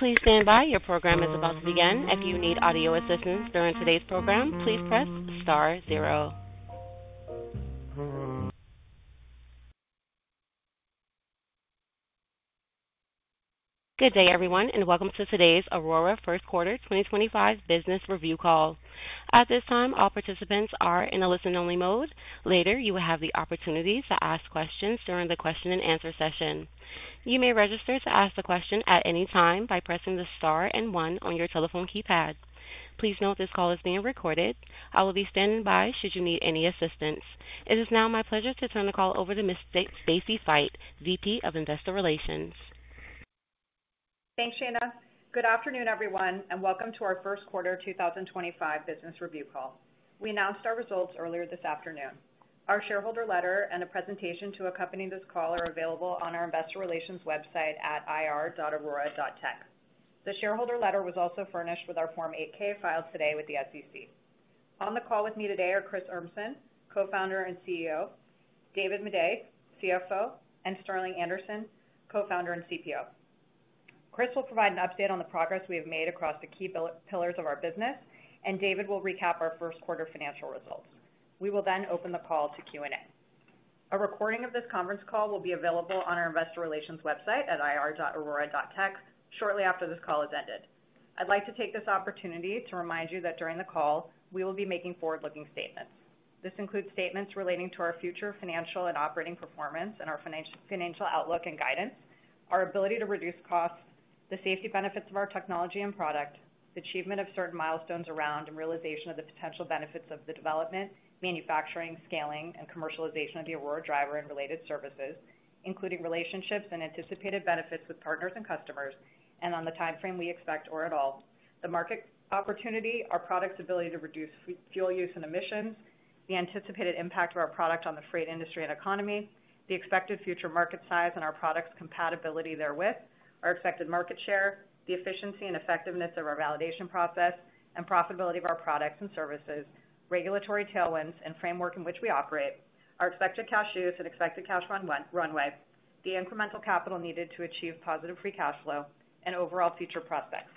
Please stand by. Your program is about to begin. If you need audio assistance during today's program, please press star zero. Good day, everyone, and welcome to today's Aurora First Quarter 2025 Business Review Call. At this time, all participants are in a listen-only mode. Later, you will have the opportunity to ask questions during the question-and-answer session. You may register to ask a question at any time by pressing the star and one on your telephone keypad. Please note this call is being recorded. I will be standing by should you need any assistance. It is now my pleasure to turn the call over to Ms. Stacy Feit, VP of Investor Relations. Thanks, Shana. Good afternoon, everyone, and welcome to our First Quarter 2025 Business Review Call. We announced our results earlier this afternoon. Our shareholder letter and a presentation to accompany this call are available on our Investor Relations website at ir.aurora.tech. The shareholder letter was also furnished with our Form 8-K filed today with the SEC. On the call with me today are Chris Urmson, Co-founder and CEO; David Maday, CFO; and Sterling Anderson, Co-founder and CPO. Chris will provide an update on the progress we have made across the key pillars of our business, and David will recap our First Quarter financial results. We will then open the call to Q&A. A recording of this conference call will be available on our Investor Relations website at ir.aurora.tech shortly after this call has ended. I'd like to take this opportunity to remind you that during the call, we will be making forward-looking statements. This includes statements relating to our future financial and operating performance and our financial outlook and guidance, our ability to reduce costs, the safety benefits of our technology and product, the achievement of certain milestones around and realization of the potential benefits of the development, manufacturing, scaling, and commercialization of the Aurora Driver and related services, including relationships and anticipated benefits with partners and customers, and on the timeframe we expect or at all. The market opportunity, our product's ability to reduce fuel use and emissions, the anticipated impact of our product on the freight industry and economy, the expected future market size and our product's compatibility therewith, our expected market share, the efficiency and effectiveness of our validation process and profitability of our products and services, regulatory tailwinds and framework in which we operate, our expected cash use and expected cash runway, the incremental capital needed to achieve positive free cash flow, and overall future prospects.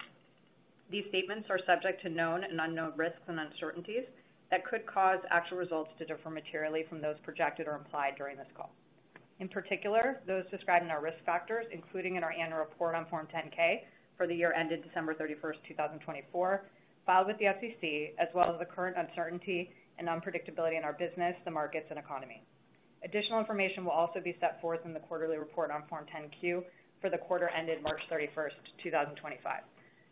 These statements are subject to known and unknown risks and uncertainties that could cause actual results to differ materially from those projected or implied during this call. In particular, those described in our risk factors, including in our annual report on Form 10-K for the year ended December 31st, 2024, filed with the SEC, as well as the current uncertainty and unpredictability in our business, the markets, and economy. Additional information will also be set forth in the quarterly report on Form 10-Q for the quarter ended March 31st, 2025.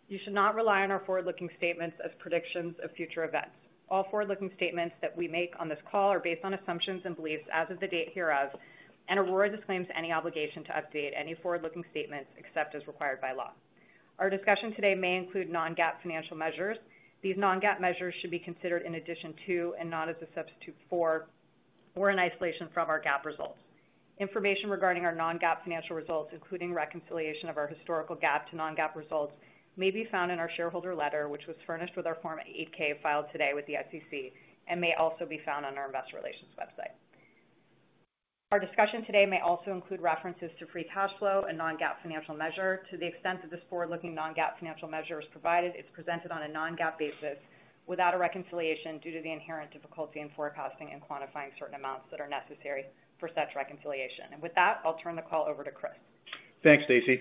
You should not rely on our forward-looking statements as predictions of future events. All forward-looking statements that we make on this call are based on assumptions and beliefs as of the date hereof, and Aurora disclaims any obligation to update any forward-looking statements except as required by law. Our discussion today may include non-GAAP financial measures. These non-GAAP measures should be considered in addition to and not as a substitute for or in isolation from our GAAP results. Information regarding our non-GAAP financial results, including reconciliation of our historical GAAP to non-GAAP results, may be found in our shareholder letter, which was furnished with our Form 8-K filed today with the SEC, and may also be found on our Investor Relations website. Our discussion today may also include references to free cash flow and non-GAAP financial measure. To the extent that this forward-looking non-GAAP financial measure is provided, it's presented on a non-GAAP basis without a reconciliation due to the inherent difficulty in forecasting and quantifying certain amounts that are necessary for such reconciliation. With that, I'll turn the call over to Chris. Thanks, Stacy.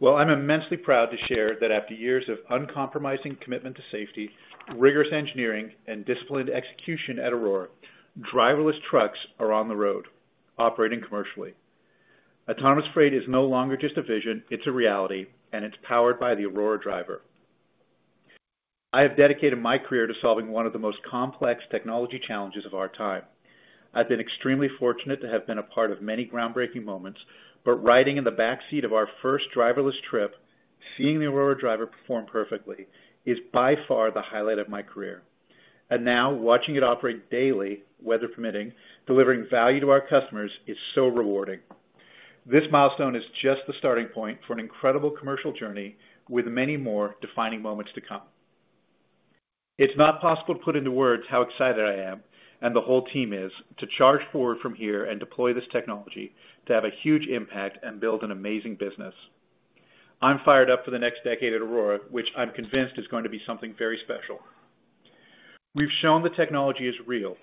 Well, I'm immensely proud to share that after years of uncompromising commitment to safety, rigorous engineering, and disciplined execution at Aurora, driverless trucks are on the road operating commercially. Autonomous freight is no longer just a vision. It's a reality, and it's powered by the Aurora Driver. I have dedicated my career to solving one of the most complex technology challenges of our time. I've been extremely fortunate to have been a part of many groundbreaking moments, but riding in the backseat of our first driverless trip, seeing the Aurora Driver perform perfectly, is by far the highlight of my career. And now, watching it operate daily, weather permitting, delivering value to our customers, is so rewarding. This milestone is just the starting point for an incredible commercial journey with many more defining moments to come. It's not possible to put into words how excited I am and the whole team is to charge forward from here and deploy this technology to have a huge impact and build an amazing business. I'm fired up for the next decade at Aurora, which I'm convinced is going to be something very special. We've shown the technology is real.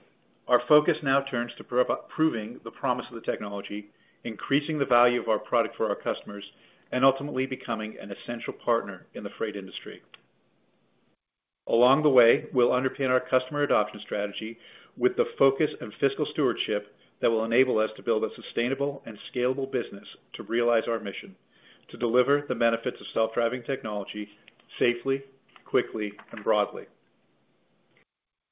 Our focus now turns to proving the promise of the technology, increasing the value of our product for our customers, and ultimately becoming an essential partner in the freight industry. Along the way, we'll underpin our customer adoption strategy with the focus and fiscal stewardship that will enable us to build a sustainable and scalable business to realize our mission, to deliver the benefits of self-driving technology safely, quickly, and broadly.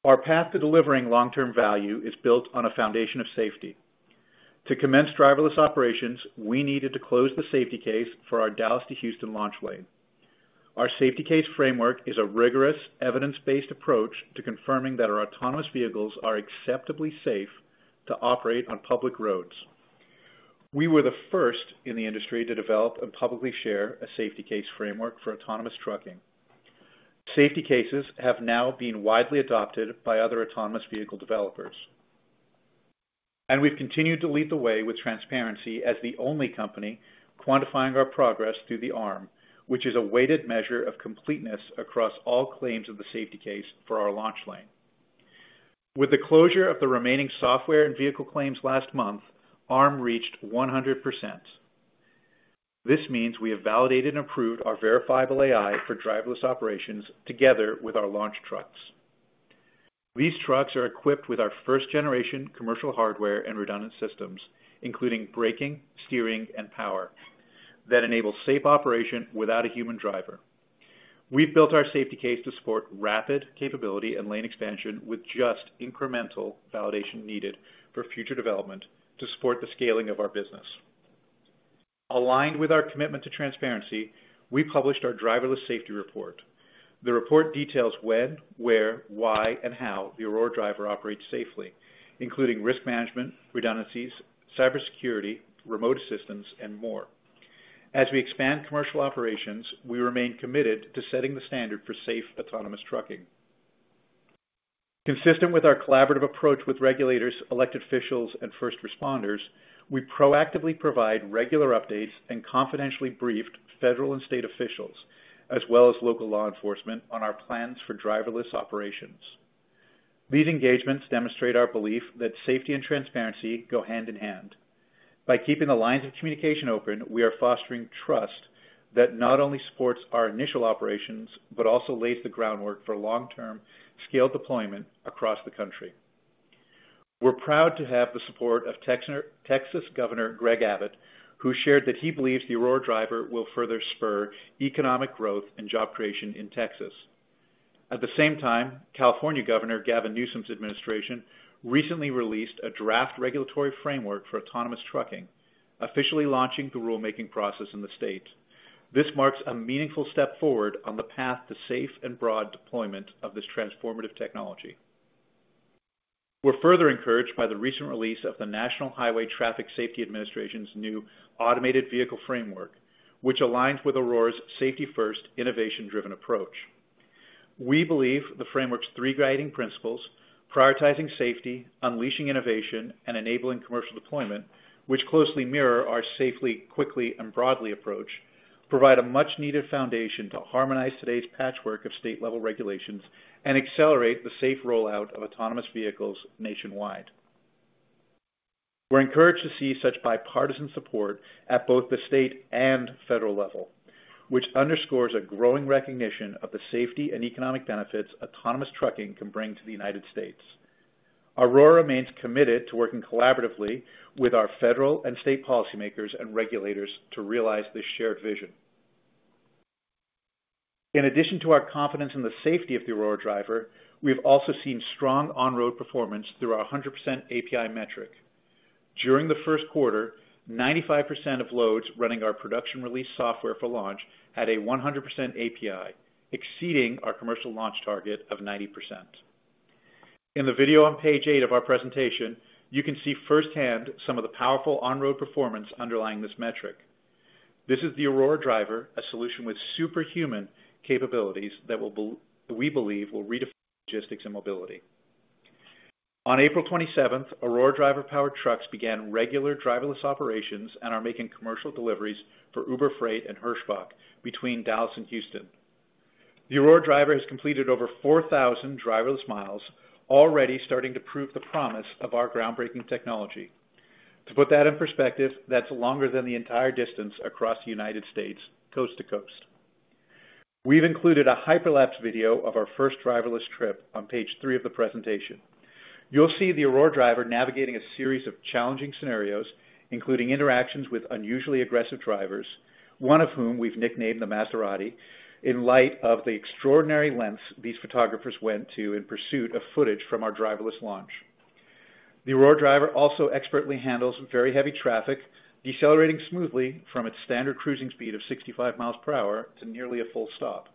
Our path to delivering long-term value is built on a foundation of safety. To commence driverless operations, we needed to close the Safety Case for our Dallas to Houston launch lane. Our Safety Case framework is a rigorous, evidence-based approach to confirming that our autonomous vehicles are acceptably safe to operate on public roads. We were the first in the industry to develop and publicly share a Safety Case framework for autonomous trucking. Safety Cases have now been widely adopted by other autonomous vehicle developers, and we've continued to lead the way with transparency as the only company quantifying our progress through the ARM, which is a weighted measure of completeness across all claims of the Safety Case for our launch lane. With the closure of the remaining software and vehicle claims last month, ARM reached 100%. This means we have validated and approved our Verifiable AI for driverless operations together with our launch trucks. These trucks are equipped with our first-generation commercial hardware and redundant systems, including braking, steering, and power, that enable safe operation without a human driver. We've built our Safety Case to support rapid capability and lane expansion with just incremental validation needed for future development to support the scaling of our business. Aligned with our commitment to transparency, we published our Driverless Safety Report. The report details when, where, why, and how the Aurora Driver operates safely, including risk management, redundancies, cybersecurity, remote assistance, and more. As we expand commercial operations, we remain committed to setting the standard for safe autonomous trucking. Consistent with our collaborative approach with regulators, elected officials, and first responders, we proactively provide regular updates and confidentially briefed federal and state officials, as well as local law enforcement, on our plans for driverless operations. These engagements demonstrate our belief that safety and transparency go hand in hand. By keeping the lines of communication open, we are fostering trust that not only supports our initial operations but also lays the groundwork for long-term scaled deployment across the country. We're proud to have the support of Texas Governor Greg Abbott, who shared that he believes the Aurora Driver will further spur economic growth and job creation in Texas. At the same time, California Governor Gavin Newsom's administration recently released a draft regulatory framework for autonomous trucking, officially launching the rulemaking process in the state. This marks a meaningful step forward on the path to safe and broad deployment of this transformative technology. We're further encouraged by the recent release of the National Highway Traffic Safety Administration's new automated vehicle framework, which aligns with Aurora's safety-first, innovation-driven approach. We believe the framework's three guiding principles (prioritizing safety, unleashing innovation, and enabling commercial deployment), which closely mirror our safely, quickly, and broadly approach, provide a much-needed foundation to harmonize today's patchwork of state-level regulations and accelerate the safe rollout of autonomous vehicles nationwide. We're encouraged to see such bipartisan support at both the state and federal level, which underscores a growing recognition of the safety and economic benefits autonomous trucking can bring to the United States. Aurora remains committed to working collaboratively with our federal and state policymakers and regulators to realize this shared vision. In addition to our confidence in the safety of the Aurora Driver, we have also seen strong on-road performance through our 100% API metric. During the first quarter, 95% of loads running our production release software for launch had a 100% API, exceeding our commercial launch target of 90%. In the video on page eight of our presentation, you can see firsthand some of the powerful on-road performance underlying this metric. This is the Aurora Driver, a solution with superhuman capabilities that we believe will redefine logistics and mobility. On April 27th, Aurora Driver-powered trucks began regular driverless operations and are making commercial deliveries for Uber Freight and Hirschbach between Dallas and Houston. The Aurora Driver has completed over 4,000 driverless miles, already starting to prove the promise of our groundbreaking technology. To put that in perspective, that's longer than the entire distance across the United States, coast to coast. We've included a hyperlapse video of our first driverless trip on page three of the presentation. You'll see the Aurora Driver navigating a series of challenging scenarios, including interactions with unusually aggressive drivers, one of whom we've nicknamed the Maserati, in light of the extraordinary lengths these photographers went to in pursuit of footage from our driverless launch. The Aurora Driver also expertly handles very heavy traffic, decelerating smoothly from its standard cruising speed of 65 miles per hour to nearly a full stop,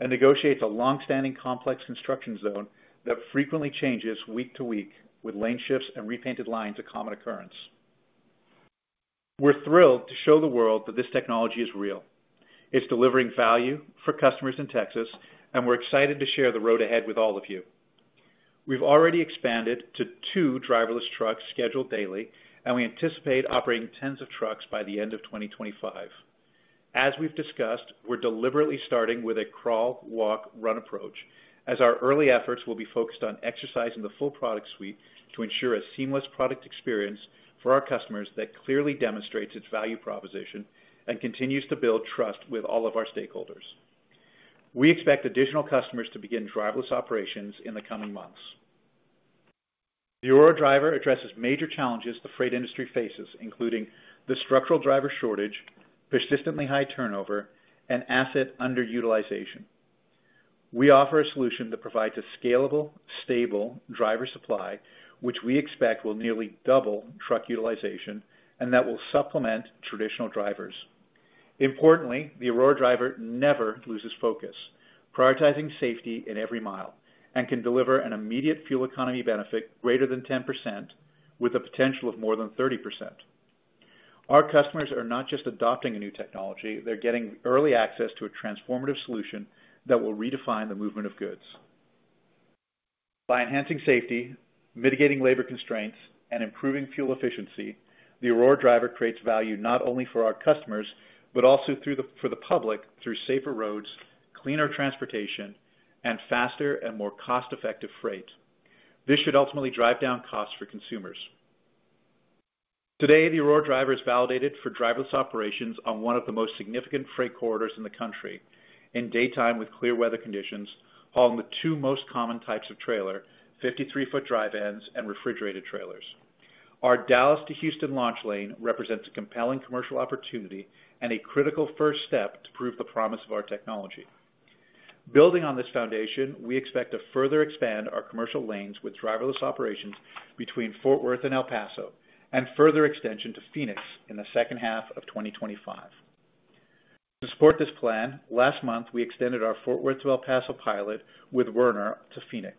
and negotiates a long-standing complex construction zone that frequently changes week to week, with lane shifts and repainted lines a common occurrence. We're thrilled to show the world that this technology is real. It's delivering value for customers in Texas, and we're excited to share the road ahead with all of you. We've already expanded to two driverless trucks scheduled daily, and we anticipate operating tens of trucks by the end of 2025. As we've discussed, we're deliberately starting with a crawl, walk, run approach, as our early efforts will be focused on exercising the full product suite to ensure a seamless product experience for our customers that clearly demonstrates its value proposition and continues to build trust with all of our stakeholders. We expect additional customers to begin driverless operations in the coming months. The Aurora Driver addresses major challenges the freight industry faces, including the structural driver shortage, persistently high turnover, and asset underutilization. We offer a solution that provides a scalable, stable driver supply, which we expect will nearly double truck utilization and that will supplement traditional drivers. Importantly, the Aurora Driver never loses focus, prioritizing safety at every mile, and can deliver an immediate fuel economy benefit greater than 10% with a potential of more than 30%. Our customers are not just adopting a new technology. They're getting early access to a transformative solution that will redefine the movement of goods. By enhancing safety, mitigating labor constraints, and improving fuel efficiency, the Aurora Driver creates value not only for our customers but also for the public through safer roads, cleaner transportation, and faster and more cost-effective freight. This should ultimately drive down costs for consumers. Today, the Aurora Driver is validated for driverless operations on one of the most significant freight corridors in the country, in daytime with clear weather conditions, hauling the two most common types of trailer: 53-foot dry vans and refrigerated trailers. Our Dallas to Houston launch lane represents a compelling commercial opportunity and a critical first step to prove the promise of our technology. Building on this foundation, we expect to further expand our commercial lanes with driverless operations between Fort Worth and El Paso and further extension to Phoenix in the second half of 2025. To support this plan, last month, we extended our Fort Worth to El Paso pilot with Werner to Phoenix.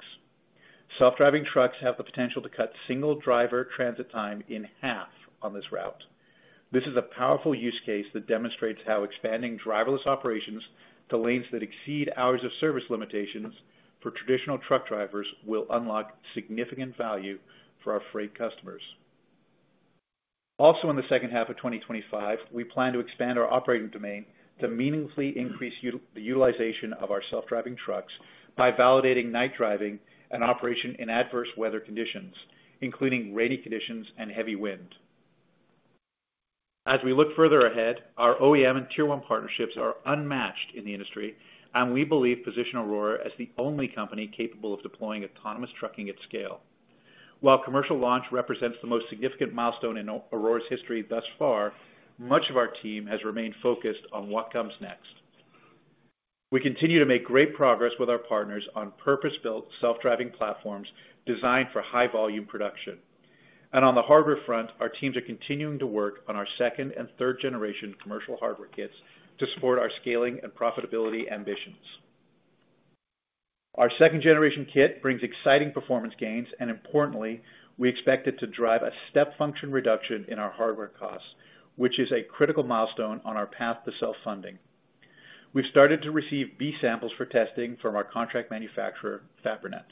Self-driving trucks have the potential to cut single-driver transit time in half on this route. This is a powerful use case that demonstrates how expanding driverless operations to lanes that exceed hours of service limitations for traditional truck drivers will unlock significant value for our freight customers. Also, in the second half of 2025, we plan to expand our operating domain to meaningfully increase the utilization of our self-driving trucks by validating night driving and operation in adverse weather conditions, including rainy conditions and heavy wind. As we look further ahead, our OEM and Tier 1 partnerships are unmatched in the industry, and we believe to position Aurora as the only company capable of deploying autonomous trucking at scale. While commercial launch represents the most significant milestone in Aurora's history thus far, much of our team has remained focused on what comes next. We continue to make great progress with our partners on purpose-built self-driving platforms designed for high-volume production, and on the hardware front, our teams are continuing to work on our second and third-generation commercial hardware kits to support our scaling and profitability ambitions. Our second-generation kit brings exciting performance gains, and importantly, we expect it to drive a step function reduction in our hardware costs, which is a critical milestone on our path to self-funding. We've started to receive B samples for testing from our contract manufacturer, Fabrinet.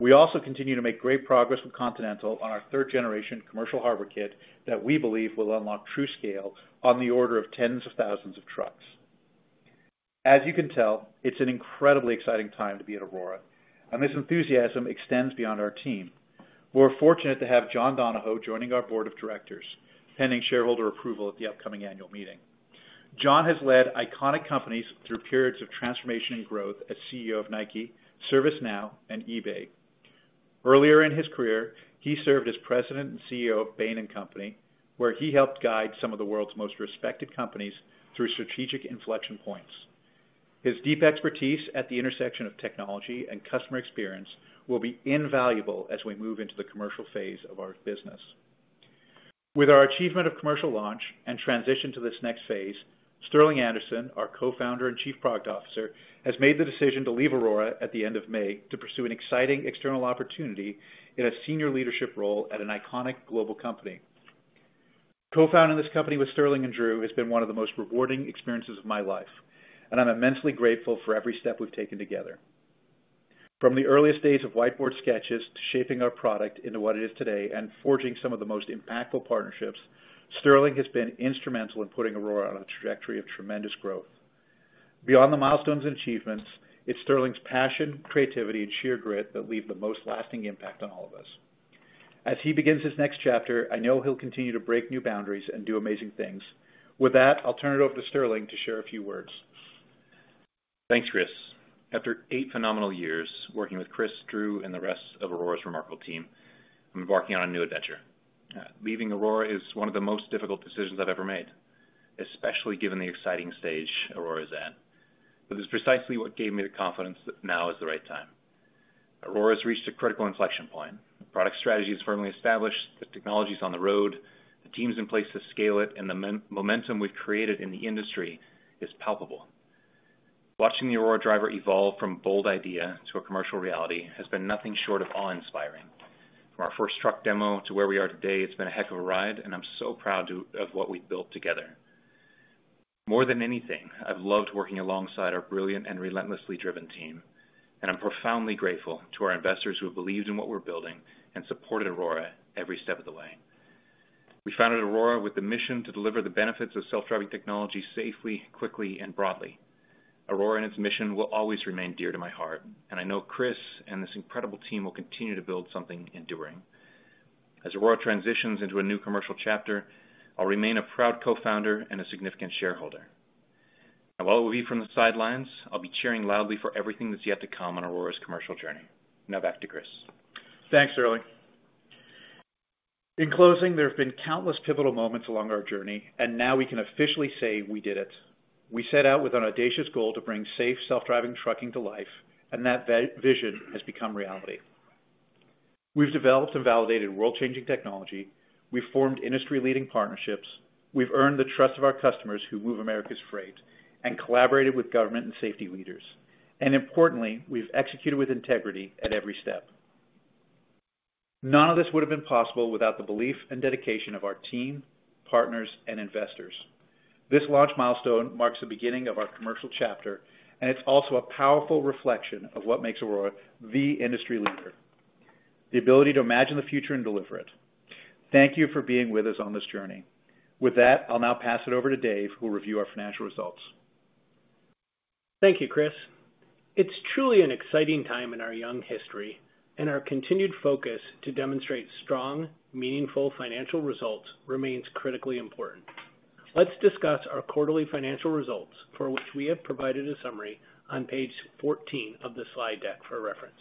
We also continue to make great progress with Continental on our third-generation commercial hardware kit that we believe will unlock true scale on the order of tens of thousands of trucks. As you can tell, it's an incredibly exciting time to be at Aurora, and this enthusiasm extends beyond our team. We're fortunate to have John Donahoe joining our board of directors, pending shareholder approval at the upcoming annual meeting. John has led iconic companies through periods of transformation and growth as CEO of Nike, ServiceNow, and eBay. Earlier in his career, he served as president and CEO of Bain & Company, where he helped guide some of the world's most respected companies through strategic inflection points. His deep expertise at the intersection of technology and customer experience will be invaluable as we move into the commercial phase of our business. With our achievement of commercial launch and transition to this next phase, Sterling Anderson, our co-founder and Chief Product Officer, has made the decision to leave Aurora at the end of May to pursue an exciting external opportunity in a senior leadership role at an iconic global company. Co-founding this company with Sterling and Drew has been one of the most rewarding experiences of my life, and I'm immensely grateful for every step we've taken together. From the earliest days of whiteboard sketches to shaping our product into what it is today and forging some of the most impactful partnerships, Sterling has been instrumental in putting Aurora on a trajectory of tremendous growth. Beyond the milestones and achievements, it's Sterling's passion, creativity, and sheer grit that leave the most lasting impact on all of us. As he begins his next chapter, I know he'll continue to break new boundaries and do amazing things. With that, I'll turn it over to Sterling to share a few words. Thanks, Chris. After eight phenomenal years working with Chris, Drew, and the rest of Aurora's remarkable team, I'm embarking on a new adventure. Leaving Aurora is one of the most difficult decisions I've ever made, especially given the exciting stage Aurora is at. But it's precisely what gave me the confidence that now is the right time. Aurora has reached a critical inflection point. The product strategy is firmly established, the technology is on the road, the team's in place to scale it, and the momentum we've created in the industry is palpable. Watching the Aurora Driver evolve from a bold idea to a commercial reality has been nothing short of awe-inspiring. From our first truck demo to where we are today, it's been a heck of a ride, and I'm so proud of what we've built together. More than anything, I've loved working alongside our brilliant and relentlessly driven team, and I'm profoundly grateful to our investors who have believed in what we're building and supported Aurora every step of the way. We founded Aurora with the mission to deliver the benefits of self-driving technology safely, quickly, and broadly. Aurora and its mission will always remain dear to my heart, and I know Chris and this incredible team will continue to build something enduring. As Aurora transitions into a new commercial chapter, I'll remain a proud co-founder and a significant shareholder. And while I'll be on the sidelines, I'll be cheering loudly for everything that's yet to come on Aurora's commercial journey. Now back to Chris. Thanks, Sterling. In closing, there have been countless pivotal moments along our journey, and now we can officially say we did it. We set out with an audacious goal to bring safe self-driving trucking to life, and that vision has become reality. We've developed and validated world-changing technology. We've formed industry-leading partnerships. We've earned the trust of our customers who move America's freight and collaborated with government and safety leaders. And importantly, we've executed with integrity at every step. None of this would have been possible without the belief and dedication of our team, partners, and investors. This launch milestone marks the beginning of our commercial chapter, and it's also a powerful reflection of what makes Aurora the industry leader. The ability to imagine the future and deliver it. Thank you for being with us on this journey. With that, I'll now pass it over to Dave, who will review our financial results. Thank you, Chris. It's truly an exciting time in our young history, and our continued focus to demonstrate strong, meaningful financial results remains critically important. Let's discuss our quarterly financial results, for which we have provided a summary on page 14 of the slide deck for reference.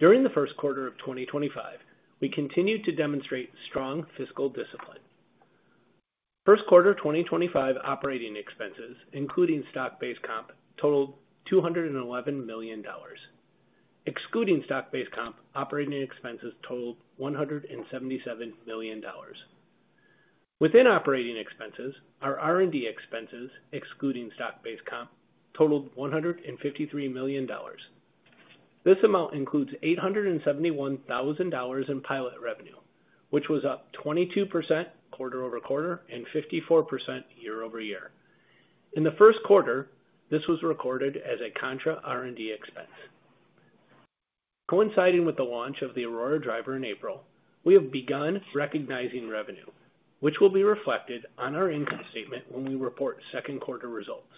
During the first quarter of 2025, we continued to demonstrate strong fiscal discipline. First quarter 2025 operating expenses, including stock-based comp, totaled $211 million. Excluding stock-based comp, operating expenses totaled $177 million. Within operating expenses, our R&D expenses, excluding stock-based comp, totaled $153 million. This amount includes $871,000 in pilot revenue, which was up 22% quarter over quarter and 54% year over year. In the first quarter, this was recorded as a contra R&D expense. Coinciding with the launch of the Aurora Driver in April, we have begun recognizing revenue, which will be reflected on our income statement when we report second quarter results.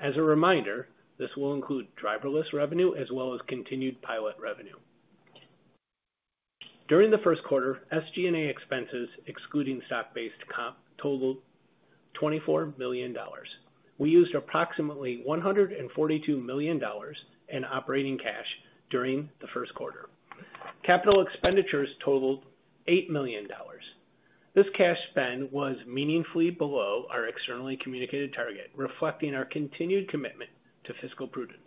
As a reminder, this will include driverless revenue as well as continued pilot revenue. During the first quarter, SG&A expenses, excluding stock-based comp, totaled $24 million. We used approximately $142 million in operating cash during the first quarter. Capital expenditures totaled $8 million. This cash spend was meaningfully below our externally communicated target, reflecting our continued commitment to fiscal prudence.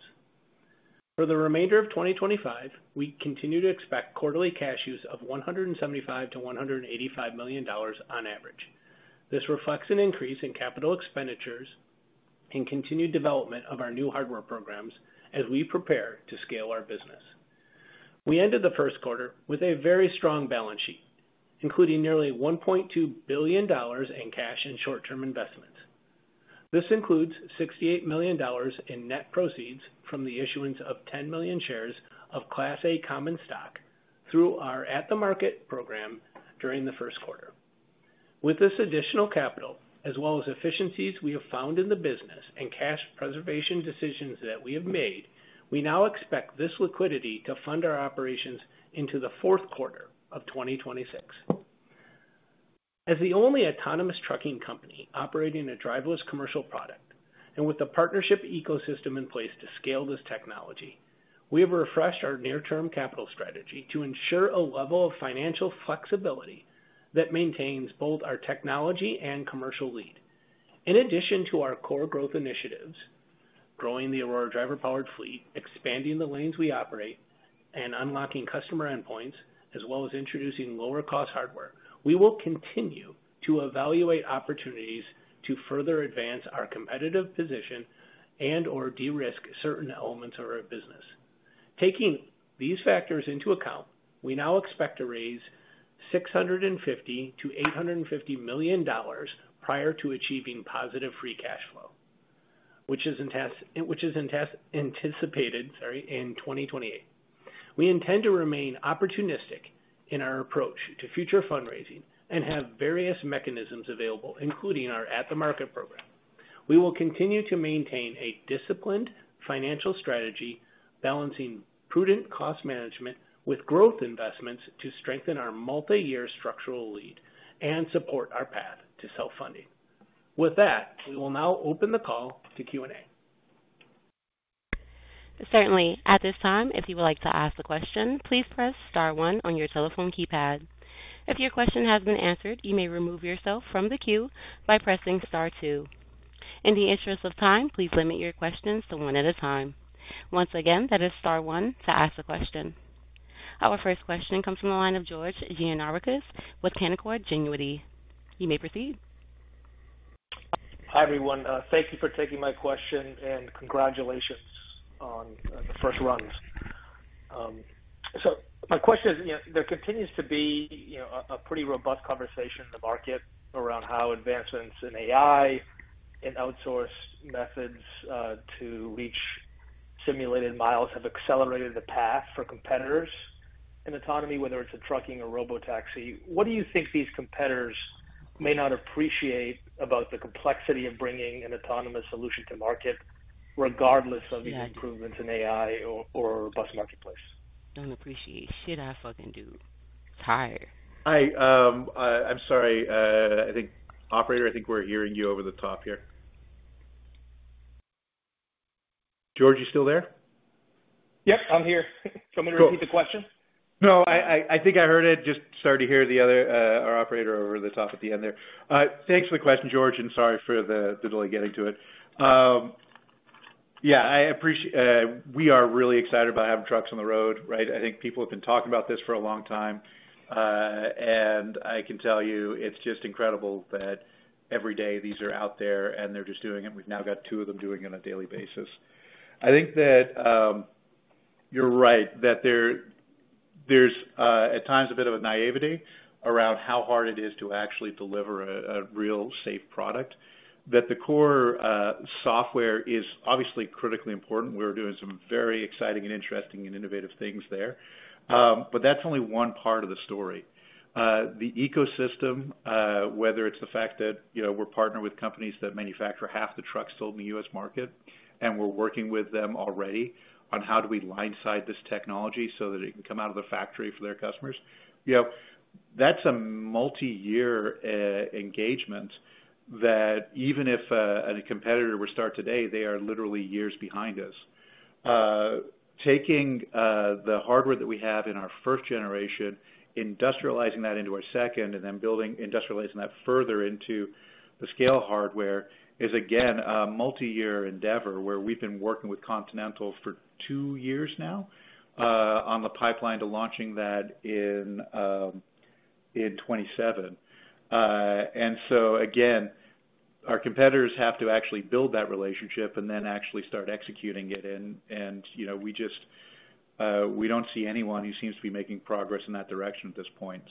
For the remainder of 2025, we continue to expect quarterly cash use of $175-$185 million on average. This reflects an increase in capital expenditures and continued development of our new hardware programs as we prepare to scale our business. We ended the first quarter with a very strong balance sheet, including nearly $1.2 billion in cash and short-term investments. This includes $68 million in net proceeds from the issuance of 10 million shares of Class A Common Stock through our At-the-Market program during the first quarter. With this additional capital, as well as efficiencies we have found in the business and cash preservation decisions that we have made, we now expect this liquidity to fund our operations into the fourth quarter of 2026. As the only autonomous trucking company operating a driverless commercial product and with the partnership ecosystem in place to scale this technology, we have refreshed our near-term capital strategy to ensure a level of financial flexibility that maintains both our technology and commercial lead. In addition to our core growth initiatives, growing the Aurora Driver-powered fleet, expanding the lanes we operate, and unlocking customer endpoints, as well as introducing lower-cost hardware, we will continue to evaluate opportunities to further advance our competitive position and/or de-risk certain elements of our business. Taking these factors into account, we now expect to raise $650-$850 million prior to achieving positive free cash flow, which is anticipated in 2028. We intend to remain opportunistic in our approach to future fundraising and have various mechanisms available, including our At-the-Market program. We will continue to maintain a disciplined financial strategy, balancing prudent cost management with growth investments to strengthen our multi-year structural lead and support our path to self-funding. With that, we will now open the call to Q&A. Certainly. At this time, if you would like to ask a question, please press Star 1 on your telephone keypad. If your question has been answered, you may remove yourself from the queue by pressing Star 2. In the interest of time, please limit your questions to one at a time. Once again, that is Star 1 to ask the question. Our first question comes from the line of George Gianarikas with Canaccord Genuity. You may proceed. Hi, everyone. Thank you for taking my question and congratulations on the first runs. So my question is, there continues to be a pretty robust conversation in the market around how advancements in AI and outsourced methods to reach simulated miles have accelerated the path for competitors in autonomy, whether it's a trucking or Robotaxi. What do you think these competitors may not appreciate about the complexity of bringing an autonomous solution to market, regardless of these improvements in AI or a robust marketplace? Don't appreciate shit I fucking do. It's higher. Hi. I'm sorry. I think, Operator, I think we're hearing you over the top here. George, you still there? Yep, I'm here. Do you want me to repeat the question? No, I think I heard it. Just started to hear our operator over the top at the end there. Thanks for the question, George, and sorry for the delay getting to it. Yeah, we are really excited about having trucks on the road, right? I think people have been talking about this for a long time, and I can tell you it's just incredible that every day these are out there and they're just doing it. We've now got two of them doing it on a daily basis. I think that you're right that there's at times a bit of a naivete around how hard it is to actually deliver a real safe product, that the core software is obviously critically important. We're doing some very exciting and interesting and innovative things there, but that's only one part of the story. The ecosystem, whether it's the fact that we're partnered with companies that manufacture half the trucks sold in the US market and we're working with them already on how do we line-side this technology so that it can come out of the factory for their customers, that's a multi-year engagement that even if a competitor were to start today, they are literally years behind us. Taking the hardware that we have in our first generation, industrializing that into our second, and then industrializing that further into the scale hardware is, again, a multi-year endeavor where we've been working with Continental for two years now on the pipeline to launching that in 2027. And so, again, our competitors have to actually build that relationship and then actually start executing it. And we don't see anyone who seems to be making progress in that direction at this point.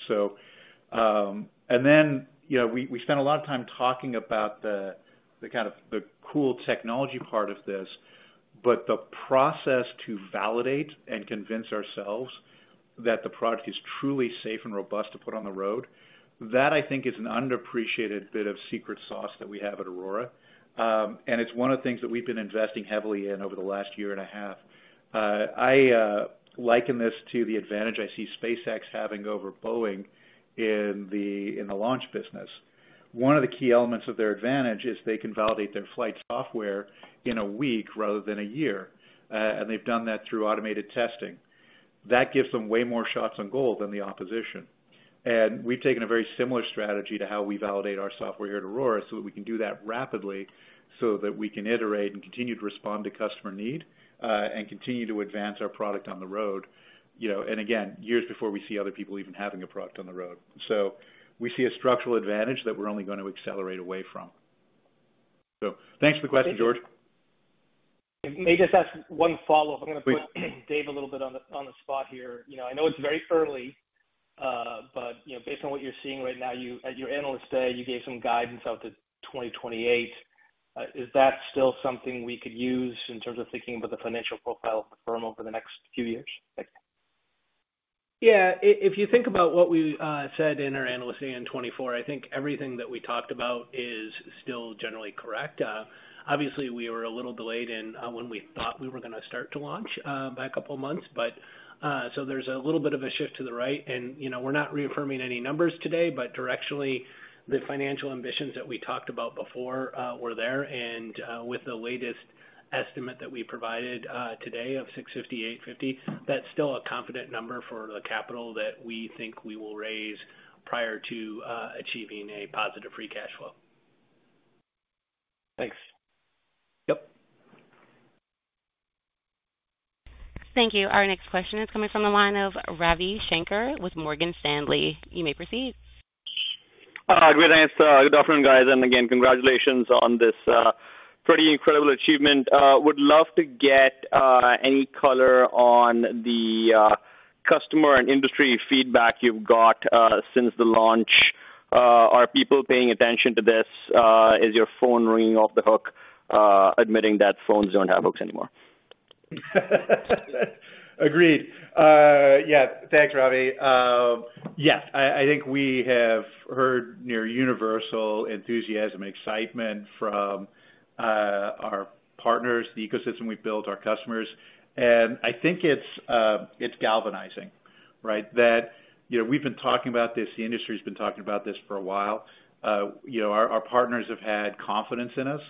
And then we spent a lot of time talking about the kind of cool technology part of this, but the process to validate and convince ourselves that the product is truly safe and robust to put on the road, that I think is an underappreciated bit of secret sauce that we have at Aurora. It's one of the things that we've been investing heavily in over the last year and a half. I liken this to the advantage I see SpaceX having over Boeing in the launch business. One of the key elements of their advantage is they can validate their flight software in a week rather than a year, and they've done that through automated testing. That gives them way more shots on goal than the opposition, and we've taken a very similar strategy to how we validate our software here at Aurora so that we can do that rapidly so that we can iterate and continue to respond to customer need and continue to advance our product on the road. Again, years before we see other people even having a product on the road, we see a structural advantage that we're only going to accelerate away from. So thanks for the question, George. May I just ask one follow-up? I'm going to put Dave a little bit on the spot here. I know it's very early, but based on what you're seeing right now, at your analyst day, you gave some guidance out to 2028. Is that still something we could use in terms of thinking about the financial profile of the firm over the next few years? Yeah. If you think about what we said in our analyst day in 2024, I think everything that we talked about is still generally correct. Obviously, we were a little delayed in when we thought we were going to start to launch by a couple of months. So there's a little bit of a shift to the right, and we're not reaffirming any numbers today, but directionally, the financial ambitions that we talked about before were there. With the latest estimate that we provided today of 650-850, that's still a confident number for the capital that we think we will raise prior to achieving a positive free cash flow. Thanks. Yep. Thank you. Our next question is coming from the line of Ravi Shanker with Morgan Stanley. You may proceed. Good afternoon, guys. And again, congratulations on this pretty incredible achievement. Would love to get any color on the customer and industry feedback you've got since the launch. Are people paying attention to this? Is your phone ringing off the hook, admitting that phones don't have hooks anymore? Agreed. Yeah. Thanks, Ravi. Yes, I think we have heard near-universal enthusiasm and excitement from our partners, the ecosystem we've built, our customers. I think it's galvanizing, right? That we've been talking about this. The industry has been talking about this for a while. Our partners have had confidence in us,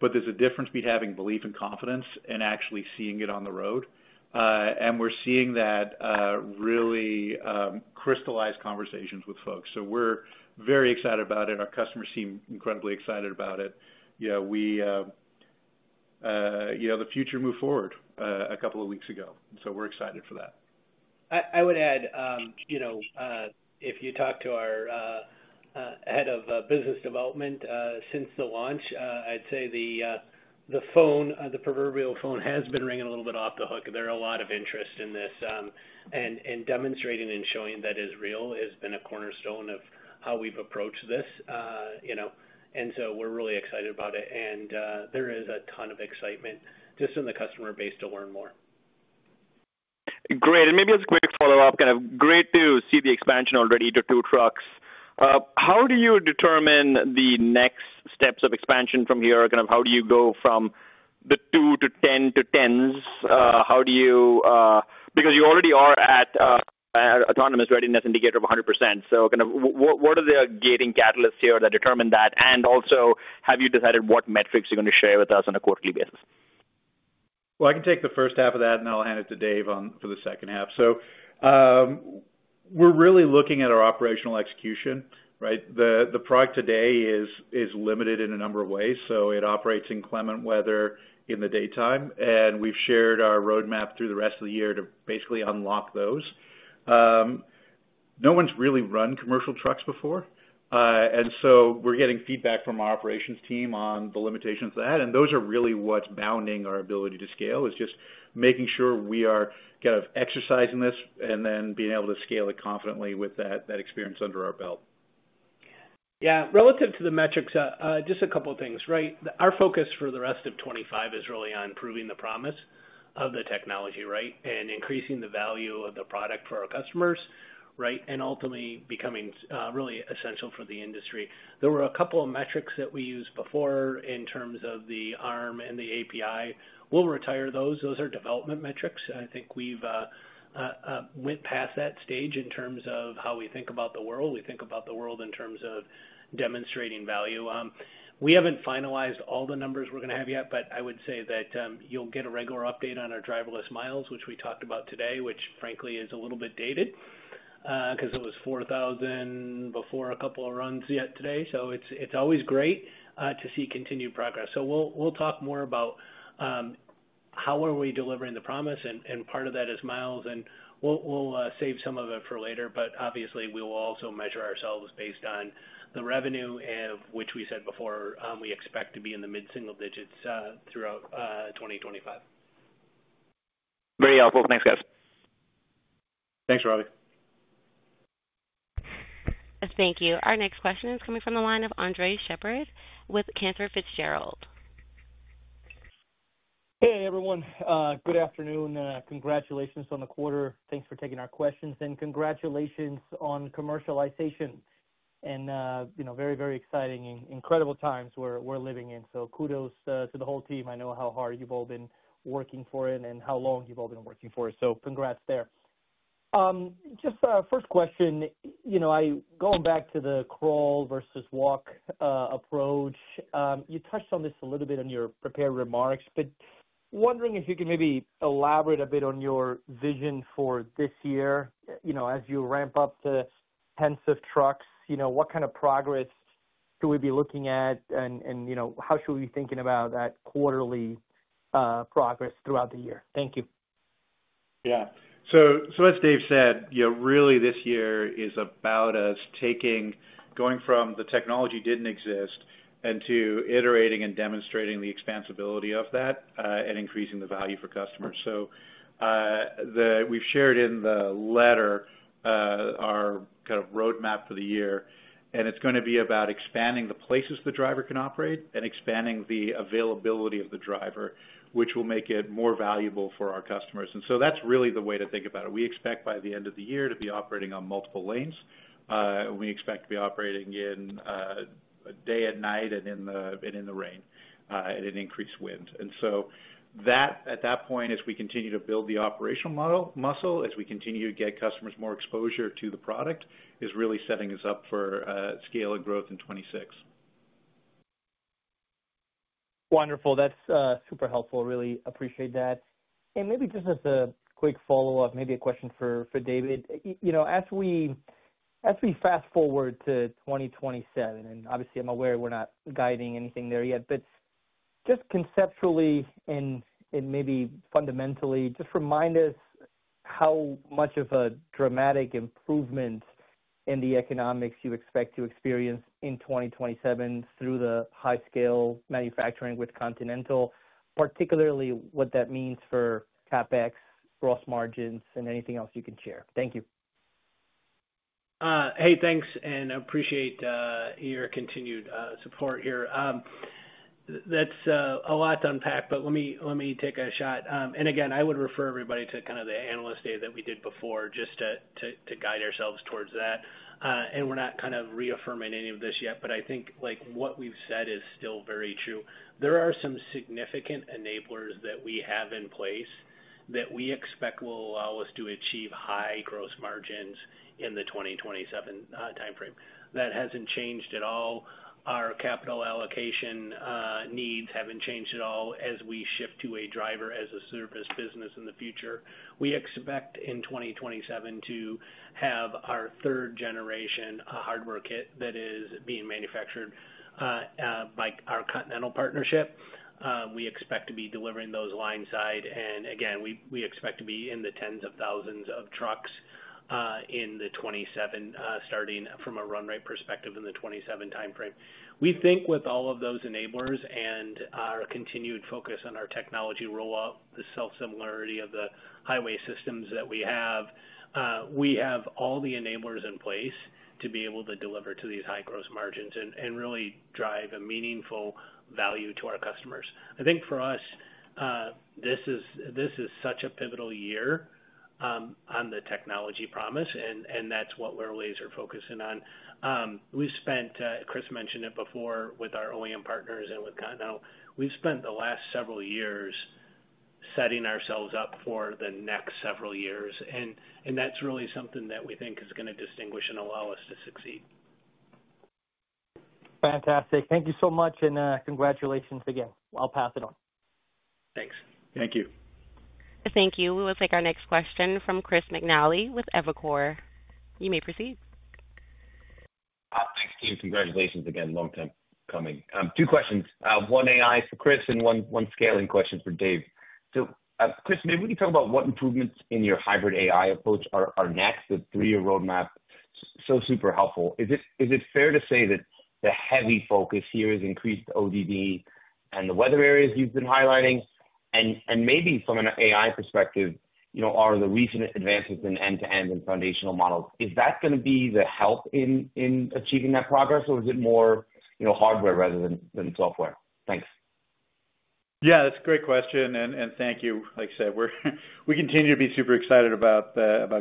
but there's a difference between having belief and confidence and actually seeing it on the road, and we're seeing that really crystallize conversations with folks, so we're very excited about it. Our customers seem incredibly excited about it. We the future moved forward a couple of weeks ago, so we're excited for that. I would add, if you talk to our head of business development since the launch, I'd say the phone, the proverbial phone, has been ringing a little bit off the hook. There are a lot of interest in this, and demonstrating and showing that it is real has been a cornerstone of how we've approached this, and so we're really excited about it, and there is a ton of excitement just in the customer base to learn more. Great. Maybe as a quick follow-up, kind of great to see the expansion already to two trucks. How do you determine the next steps of expansion from here? Kind of how do you go from the two to 10 to tens? How do you because you already are at an Autonomy Readiness Measure of 100%. So kind of what are the gating catalysts here that determine that? And also, have you decided what metrics you're going to share with us on a quarterly basis? I can take the first half of that, and I'll hand it to Dave for the second half. We're really looking at our operational execution, right? The product today is limited in a number of ways. It operates in clement weather in the daytime. We've shared our roadmap through the rest of the year to basically unlock those. No one's really run commercial trucks before. And so we're getting feedback from our operations team on the limitations of that. And those are really what's bounding our ability to scale is just making sure we are kind of exercising this and then being able to scale it confidently with that experience under our belt. Yeah. Relative to the metrics, just a couple of things, right? Our focus for the rest of 2025 is really on proving the promise of the technology, right, and increasing the value of the product for our customers, right, and ultimately becoming really essential for the industry. There were a couple of metrics that we used before in terms of the ARM and the API. We'll retire those. Those are development metrics. I think we've went past that stage in terms of how we think about the world. We think about the world in terms of demonstrating value. We haven't finalized all the numbers we're going to have yet, but I would say that you'll get a regular update on our driverless miles, which we talked about today, which frankly is a little bit dated because it was 4,000 before a couple of runs yet today. So it's always great to see continued progress. So we'll talk more about how are we delivering the promise, and part of that is miles, and we'll save some of it for later. But obviously, we will also measure ourselves based on the revenue, which we said before we expect to be in the mid-single digits throughout 2025. Very helpful. Thanks, guys. Thanks, Ravi. Thank you. Our next question is coming from the line of Andres Sheppard with Cantor Fitzgerald. Hey, everyone. Good afternoon. Congratulations on the quarter. Thanks for taking our questions. And congratulations on commercialization. And very, very exciting and incredible times we're living in. So kudos to the whole team. I know how hard you've all been working for it and how long you've all been working for it. So congrats there. Just first question, going back to the crawl versus walk approach, you touched on this a little bit in your prepared remarks, but wondering if you can maybe elaborate a bit on your vision for this year as you ramp up to tens of trucks. What kind of progress should we be looking at, and how should we be thinking about that quarterly progress throughout the year? Thank you. Yeah. So as Dave said, really this year is about us going from the technology didn't exist to iterating and demonstrating the scalability of that and increasing the value for customers. So we've shared in the letter our kind of roadmap for the year, and it's going to be about expanding the places the driver can operate and expanding the availability of the driver, which will make it more valuable for our customers. And so that's really the way to think about it. We expect by the end of the year to be operating on multiple lanes. We expect to be operating day and night and in the rain and in increased wind. And so that, at that point, as we continue to build the operational muscle, as we continue to get customers more exposure to the product, is really setting us up for scale and growth in 2026. Wonderful. That's super helpful. Really appreciate that. And maybe just as a quick follow-up, maybe a question for David. As we fast forward to 2027, and obviously, I'm aware we're not guiding anything there yet, but just conceptually and maybe fundamentally, just remind us how much of a dramatic improvement in the economics you expect to experience in 2027 through the high-scale manufacturing with Continental, particularly what that means for CapEx, gross margins, and anything else you can share. Thank you. Hey, thanks, and appreciate your continued support here. That's a lot to unpack, but let me take a shot. Again, I would refer everybody to kind of the analyst day that we did before just to guide ourselves towards that. We're not kind of reaffirming any of this yet, but I think what we've said is still very true. There are some significant enablers that we have in place that we expect will allow us to achieve high gross margins in the 2027 timeframe. That hasn't changed at all. Our capital allocation needs haven't changed at all as we shift to a driver-as-a-service business in the future. We expect in 2027 to have our third-generation hardware kit that is being manufactured by our Continental partnership. We expect to be delivering those line-side, and again, we expect to be in the tens of thousands of trucks in the 2027, starting from a run-rate perspective in the 2027 timeframe. We think with all of those enablers and our continued focus on our technology rollout, the self-similarity of the highway systems that we have, we have all the enablers in place to be able to deliver to these high gross margins and really drive a meaningful value to our customers. I think for us, this is such a pivotal year on the technology promise, and that's what we're laser-focusing on. Chris mentioned it before with our OEM partners and with Continental. We've spent the last several years setting ourselves up for the next several years. And that's really something that we think is going to distinguish and allow us to succeed. Fantastic. Thank you so much, and congratulations again. I'll pass it on. Thanks. Thank you. Thank you. We will take our next question from Chris McNally with Evercore ISI. You may proceed. Thanks, Chris. Congratulations again. Long time coming. Two questions. One AI for Chris and one scaling question for Dave. So Chris, maybe we can talk about what improvements in your hybrid AI approach are next. The three-year roadmap is so super helpful. Is it fair to say that the heavy focus here is increased ODD and the weather areas you've been highlighting? And maybe from an AI perspective, are the recent advances in end-to-end and foundational models, is that going to be the help in achieving that progress, or is it more hardware rather than software? Thanks. Yeah, that's a great question. And thank you. Like I said, we continue to be super excited about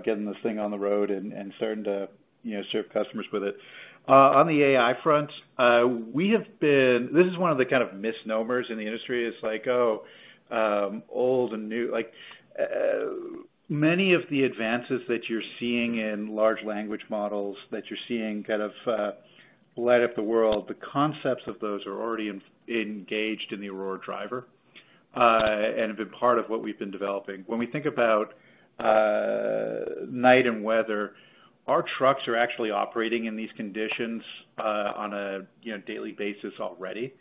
getting this thing on the road and starting to serve customers with it. On the AI front, we have been, this is one of the kind of misnomers in the industry. It's like, oh, old and new. Many of the advances that you're seeing in large language models that you're seeing kind of light up the world, the concepts of those are already engaged in the Aurora Driver and have been part of what we've been developing. When we think about night and weather, our trucks are actually operating in these conditions on a daily basis already.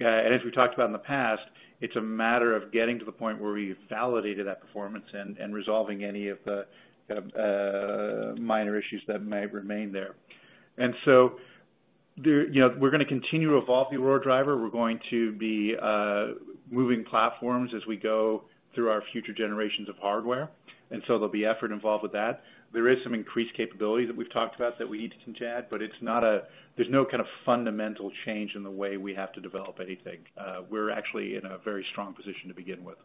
And as we talked about in the past, it's a matter of getting to the point where we've validated that performance and resolving any of the kind of minor issues that may remain there. And so we're going to continue to evolve the Aurora Driver. We're going to be moving platforms as we go through our future generations of hardware. And so there'll be effort involved with that. There is some increased capability that we've talked about that we need to chat, but there's no kind of fundamental change in the way we have to develop anything. We're actually in a very strong position to begin with.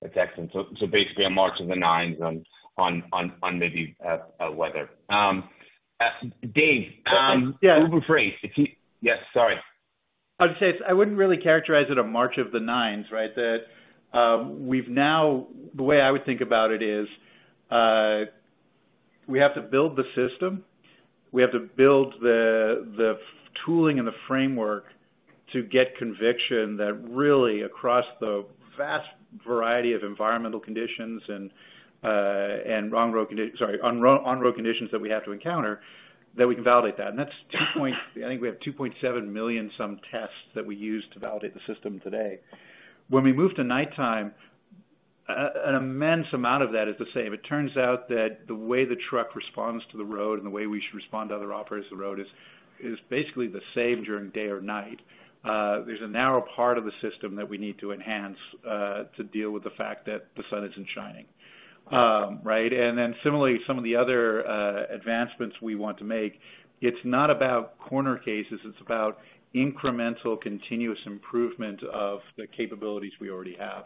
That's excellent. So basically a March of the Nines on maybe weather. Dave, we'll be brief. Yes, sorry. I would say I wouldn't really characterize it a March of the Nines, right? The way I would think about it is we have to build the system. We have to build the tooling and the framework to get conviction that really across the vast variety of environmental conditions and on-road conditions that we have to encounter, that we can validate that. And that's two points. I think we have 2.7 million some tests that we use to validate the system today. When we move to nighttime, an immense amount of that is the same. It turns out that the way the truck responds to the road and the way we should respond to other operators of the road is basically the same during day or night. There's a narrow part of the system that we need to enhance to deal with the fact that the sun isn't shining, right? And then similarly, some of the other advancements we want to make. It's not about corner cases. It's about incremental continuous improvement of the capabilities we already have.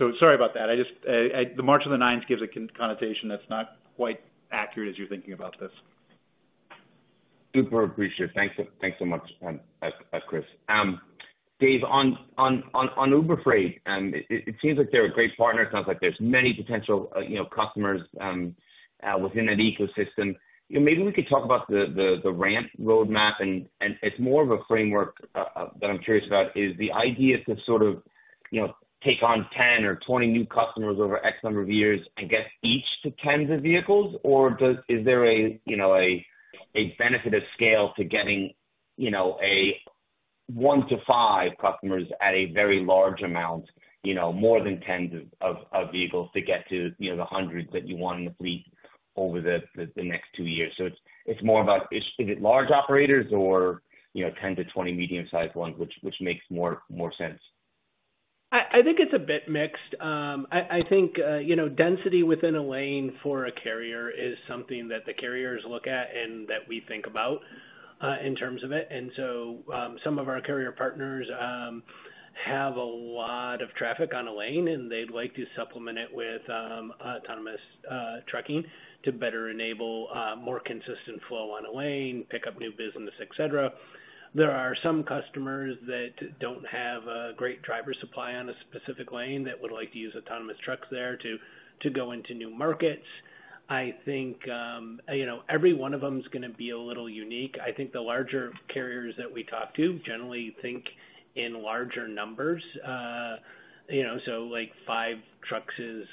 So sorry about that. The March of the Nines gives a connotation that's not quite accurate as you're thinking about this. Super appreciative. Thanks so much, Chris. Dave, on Uber Freight, it seems like they're a great partner. It sounds like there's many potential customers within that ecosystem. Maybe we could talk about the ramp roadmap, and it's more of a framework that I'm curious about. Is the idea to sort of take on 10 or 20 new customers over X number of years and get each to 10 of the vehicles? Or is there a benefit of scale to getting one to five customers at a very large amount, more than 10 of vehicles to get to the hundreds that you want in the fleet over the next two years? So it's more about, is it large operators or 10 to 20 medium-sized ones, which makes more sense? I think it's a bit mixed. I think density within a lane for a carrier is something that the carriers look at and that we think about in terms of it. And so some of our carrier partners have a lot of traffic on a lane, and they'd like to supplement it with autonomous trucking to better enable more consistent flow on a lane, pick up new business, etc. There are some customers that don't have a great driver supply on a specific lane that would like to use autonomous trucks there to go into new markets. I think every one of them is going to be a little unique. I think the larger carriers that we talk to generally think in larger numbers. So five trucks is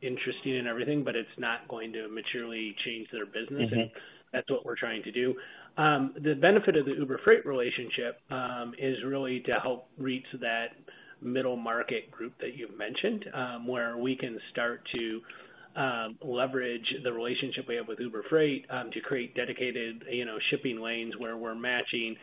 interesting and everything, but it's not going to materially change their business, and that's what we're trying to do. The benefit of the Uber Freight relationship is really to help reach that middle market group that you've mentioned, where we can start to leverage the relationship we have with Uber Freight to create dedicated shipping lanes where we're matching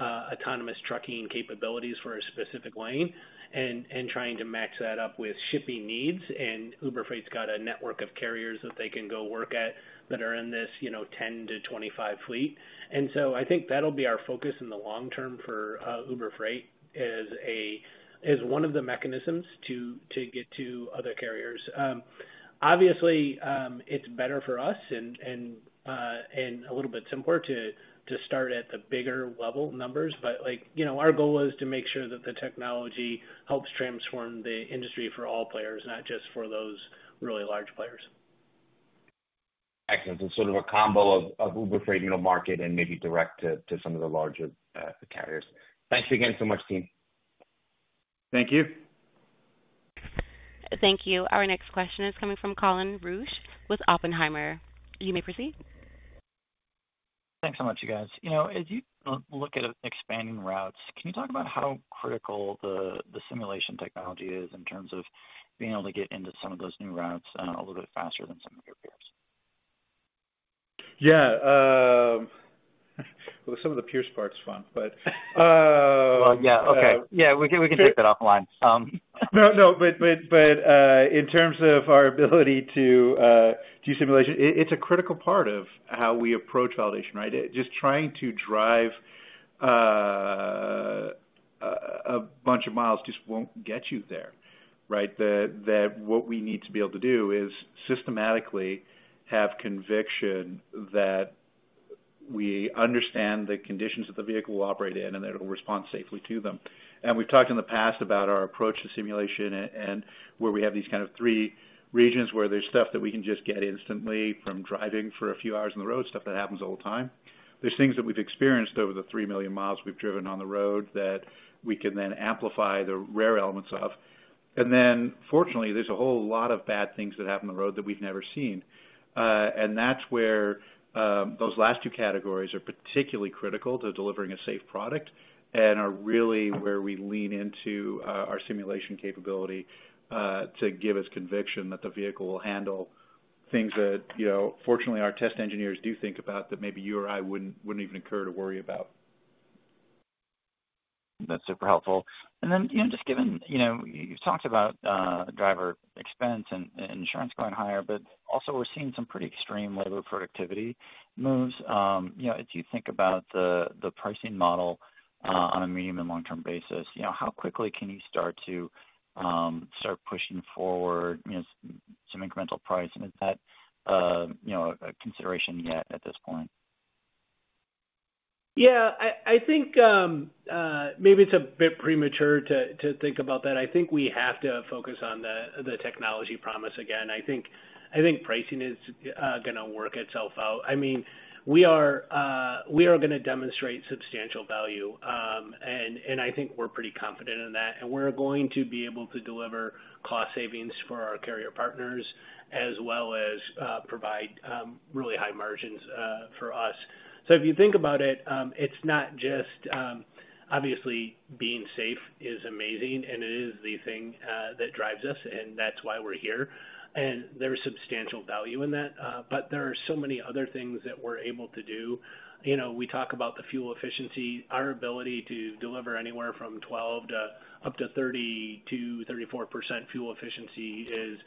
autonomous trucking capabilities for a specific lane and trying to match that up with shipping needs. And Uber Freight's got a network of carriers that they can go work at that are in this 10 to 25 fleet. And so I think that'll be our focus in the long term for Uber Freight as one of the mechanisms to get to other carriers. Obviously, it's better for us and a little bit simpler to start at the bigger level numbers, but our goal is to make sure that the technology helps transform the industry for all players, not just for those really large players. Excellent. So sort of a combo of Uber Freight, middle market, and maybe direct to some of the larger carriers. Thanks again so much, Chris. Thank you. Thank you. Our next question is coming from Colin Rusch with Oppenheimer. You may proceed. Thanks so much, you guys. As you look at expanding routes, can you talk about how critical the simulation technology is in terms of being able to get into some of those new routes a little bit faster than some of your peers? Yeah, well, some of the peers' part's fun, but, well, yeah, okay. Yeah, we can take that offline. No, no, but in terms of our ability to do simulation, it's a critical part of how we approach validation, right? Just trying to drive a bunch of miles just won't get you there, right? That's what we need to be able to do is systematically have conviction that we understand the conditions that the vehicle will operate in and that it will respond safely to them. We've talked in the past about our approach to simulation and where we have these kind of three regions where there's stuff that we can just get instantly from driving for a few hours on the road, stuff that happens all the time. There's things that we've experienced over the three million miles we've driven on the road that we can then amplify the rare elements of. Fortunately, there's a whole lot of bad things that happen on the road that we've never seen. That's where those last two categories are particularly critical to delivering a safe product and are really where we lean into our simulation capability to give us conviction that the vehicle will handle things that, fortunately, our test engineers do think about that maybe you or I wouldn't even occur to worry about. That's super helpful. And then, just given you've talked about driver expense and insurance going higher, but also we're seeing some pretty extreme labor productivity moves. As you think about the pricing model on a medium- and long-term basis, how quickly can you start pushing forward some incremental price? And is that a consideration yet at this point? Yeah. I think maybe it's a bit premature to think about that. I think we have to focus on the technology promise again. I think pricing is going to work itself out. I mean, we are going to demonstrate substantial value, and I think we're pretty confident in that. And we're going to be able to deliver cost savings for our carrier partners as well as provide really high margins for us. So if you think about it, it's not just obviously being safe is amazing, and it is the thing that drives us, and that's why we're here. And there's substantial value in that. But there are so many other things that we're able to do. We talk about the fuel efficiency. Our ability to deliver anywhere from 12% to up to 32%-34% fuel efficiency is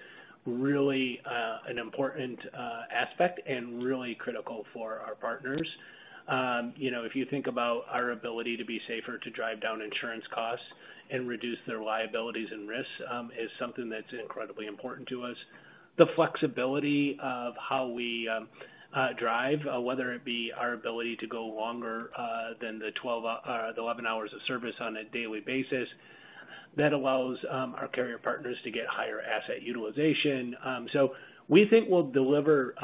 really an important aspect and really critical for our partners. If you think about our ability to be safer, to drive down insurance costs and reduce their liabilities and risks is something that's incredibly important to us. The flexibility of how we drive, whether it be our ability to go longer than the 12 or the 11 hours of service on a daily basis, that allows our carrier partners to get higher asset utilization. So, we think we'll deliver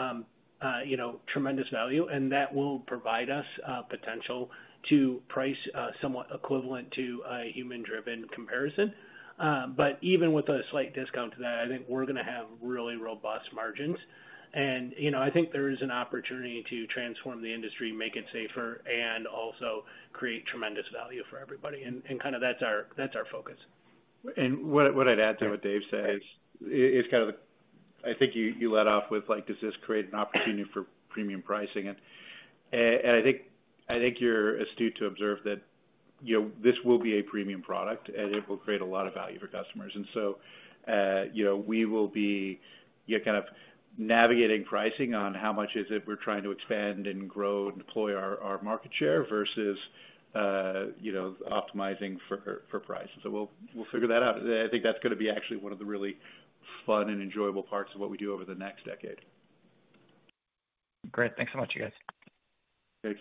tremendous value, and that will provide us potential to price somewhat equivalent to a human-driven comparison. But even with a slight discount to that, I think we're going to have really robust margins. And I think there is an opportunity to transform the industry, make it safer, and also create tremendous value for everybody. And kind of that's our focus. And what I'd add to what Dave says is kind of the I think you led off with, does this create an opportunity for premium pricing? And I think you're astute to observe that this will be a premium product, and it will create a lot of value for customers. And so we will be kind of navigating pricing on how much is it we're trying to expand and grow and deploy our market share versus optimizing for price. And so we'll figure that out. I think that's going to be actually one of the really fun and enjoyable parts of what we do over the next decade. Great. Thanks so much, you guys. Thanks.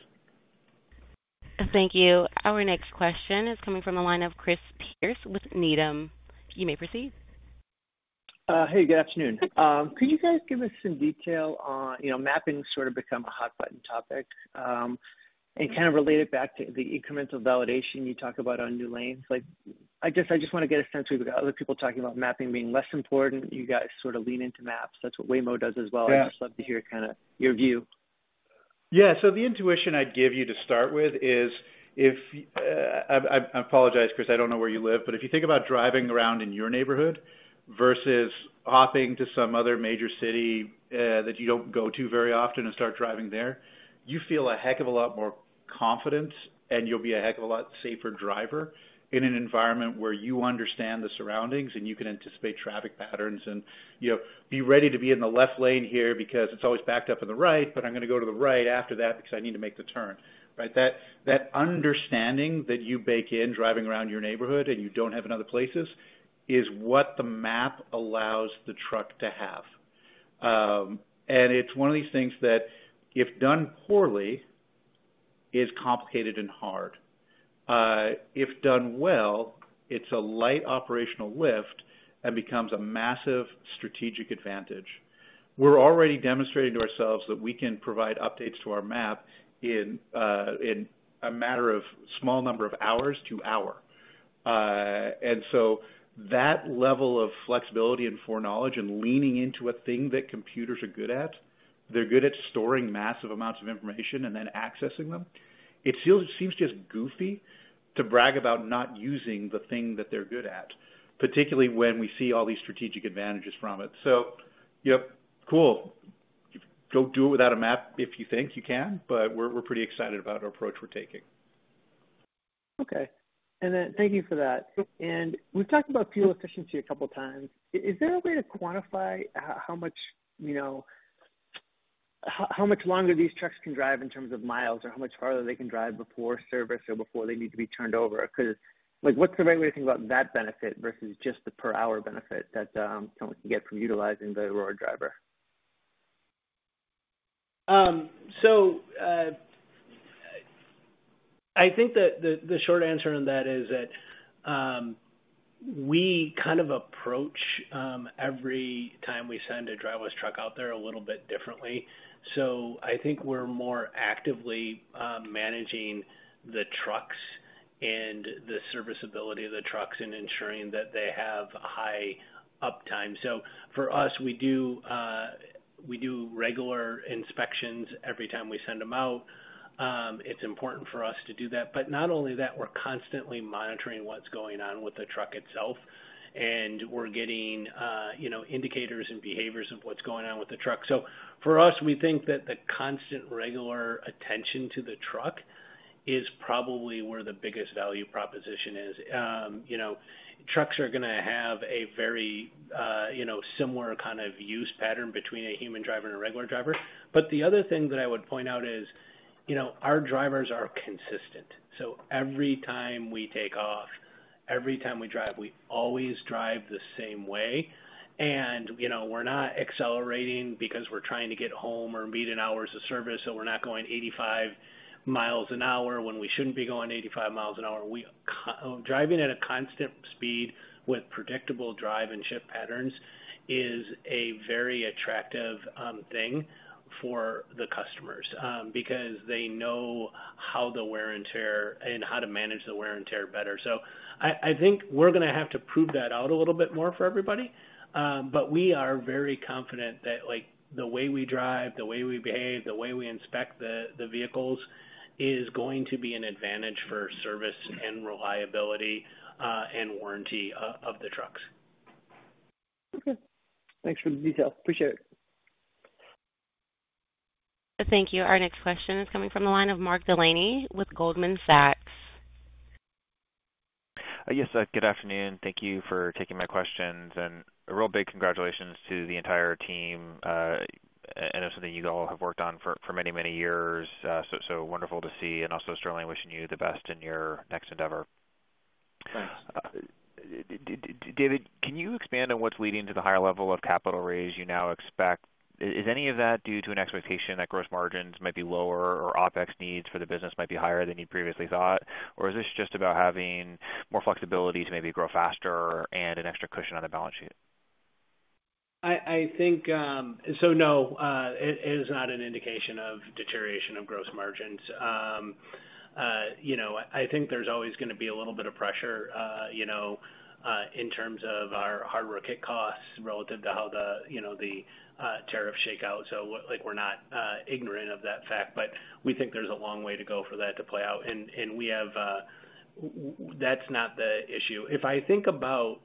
Thank you. Our next question is coming from the line of Chris Pierce with Needham. You may proceed. Hey, good afternoon. Could you guys give us some detail on mapping sort of become a hot-button topic and kind of relate it back to the incremental validation you talk about on new lanes? I guess I just want to get a sense. We've got other people talking about mapping being less important. You guys sort of lean into maps. That's what Waymo does as well. I'd just love to hear kind of your view. Yeah. The intuition I'd give you to start with is, I apologize, Chris. I don't know where you live, but if you think about driving around in your neighborhood versus hopping to some other major city that you don't go to very often and start driving there, you feel a heck of a lot more confidence, and you'll be a heck of a lot safer driver in an environment where you understand the surroundings and you can anticipate traffic patterns and be ready to be in the left lane here because it's always backed up on the right, but I'm going to go to the right after that because I need to make the turn, right? That understanding that you bake in driving around your neighborhood and you don't have in other places is what the map allows the truck to have. It's one of these things that, if done poorly, is complicated and hard. If done well, it's a light operational lift and becomes a massive strategic advantage. We're already demonstrating to ourselves that we can provide updates to our map in a matter of a small number of hours to hour. So that level of flexibility and foreknowledge and leaning into a thing that computers are good at, they're good at storing massive amounts of information and then accessing them. It seems just goofy to brag about not using the thing that they're good at, particularly when we see all these strategic advantages from it. So yeah, cool. Go do it without a map if you think you can, but we're pretty excited about our approach we're taking. Okay. Then thank you for that. We've talked about fuel efficiency a couple of times. Is there a way to quantify how much longer these trucks can drive in terms of miles or how much farther they can drive before service or before they need to be turned over? Because what's the right way to think about that benefit versus just the per-hour benefit that someone can get from utilizing the Aurora Driver? So I think the short answer on that is that we kind of approach every time we send a driverless truck out there a little bit differently. So I think we're more actively managing the trucks and the serviceability of the trucks and ensuring that they have high uptime. So for us, we do regular inspections every time we send them out. It's important for us to do that. But not only that, we're constantly monitoring what's going on with the truck itself, and we're getting indicators and behaviors of what's going on with the truck. So for us, we think that the constant regular attention to the truck is probably where the biggest value proposition is. Trucks are going to have a very similar kind of use pattern between a human driver and a regular driver. But the other thing that I would point out is our drivers are consistent. So every time we take off, every time we drive, we always drive the same way. And we're not accelerating because we're trying to get home or meet hours of service, so we're not going 85 miles an hour when we shouldn't be going 85 miles an hour. Driving at a constant speed with predictable drive and shift patterns is a very attractive thing for the customers because they know how the wear and tear and how to manage the wear and tear better. So I think we're going to have to prove that out a little bit more for everybody. But we are very confident that the way we drive, the way we behave, the way we inspect the vehicles is going to be an advantage for service and reliability and warranty of the trucks. Okay. Thanks for the detail. Appreciate it. Thank you. Our next question is coming from the line of Mark Delaney with Goldman Sachs. Yes, good afternoon. Thank you for taking my questions. And a real big congratulations to the entire team. I know something you all have worked on for many, many years. So wonderful to see. And also strongly wishing you the best in your next endeavor. Thanks. David, can you expand on what's leading to the higher level of capital raise you now expect? Is any of that due to an expectation that gross margins might be lower or OpEx needs for the business might be higher than you previously thought? Or is this just about having more flexibility to maybe grow faster and an extra cushion on the balance sheet? I think so, no. It is not an indication of deterioration of gross margins. I think there's always going to be a little bit of pressure in terms of our hardware kit costs relative to how the tariffs shake out. So we're not ignorant of that fact, but we think there's a long way to go for that to play out. And that's not the issue. If I think about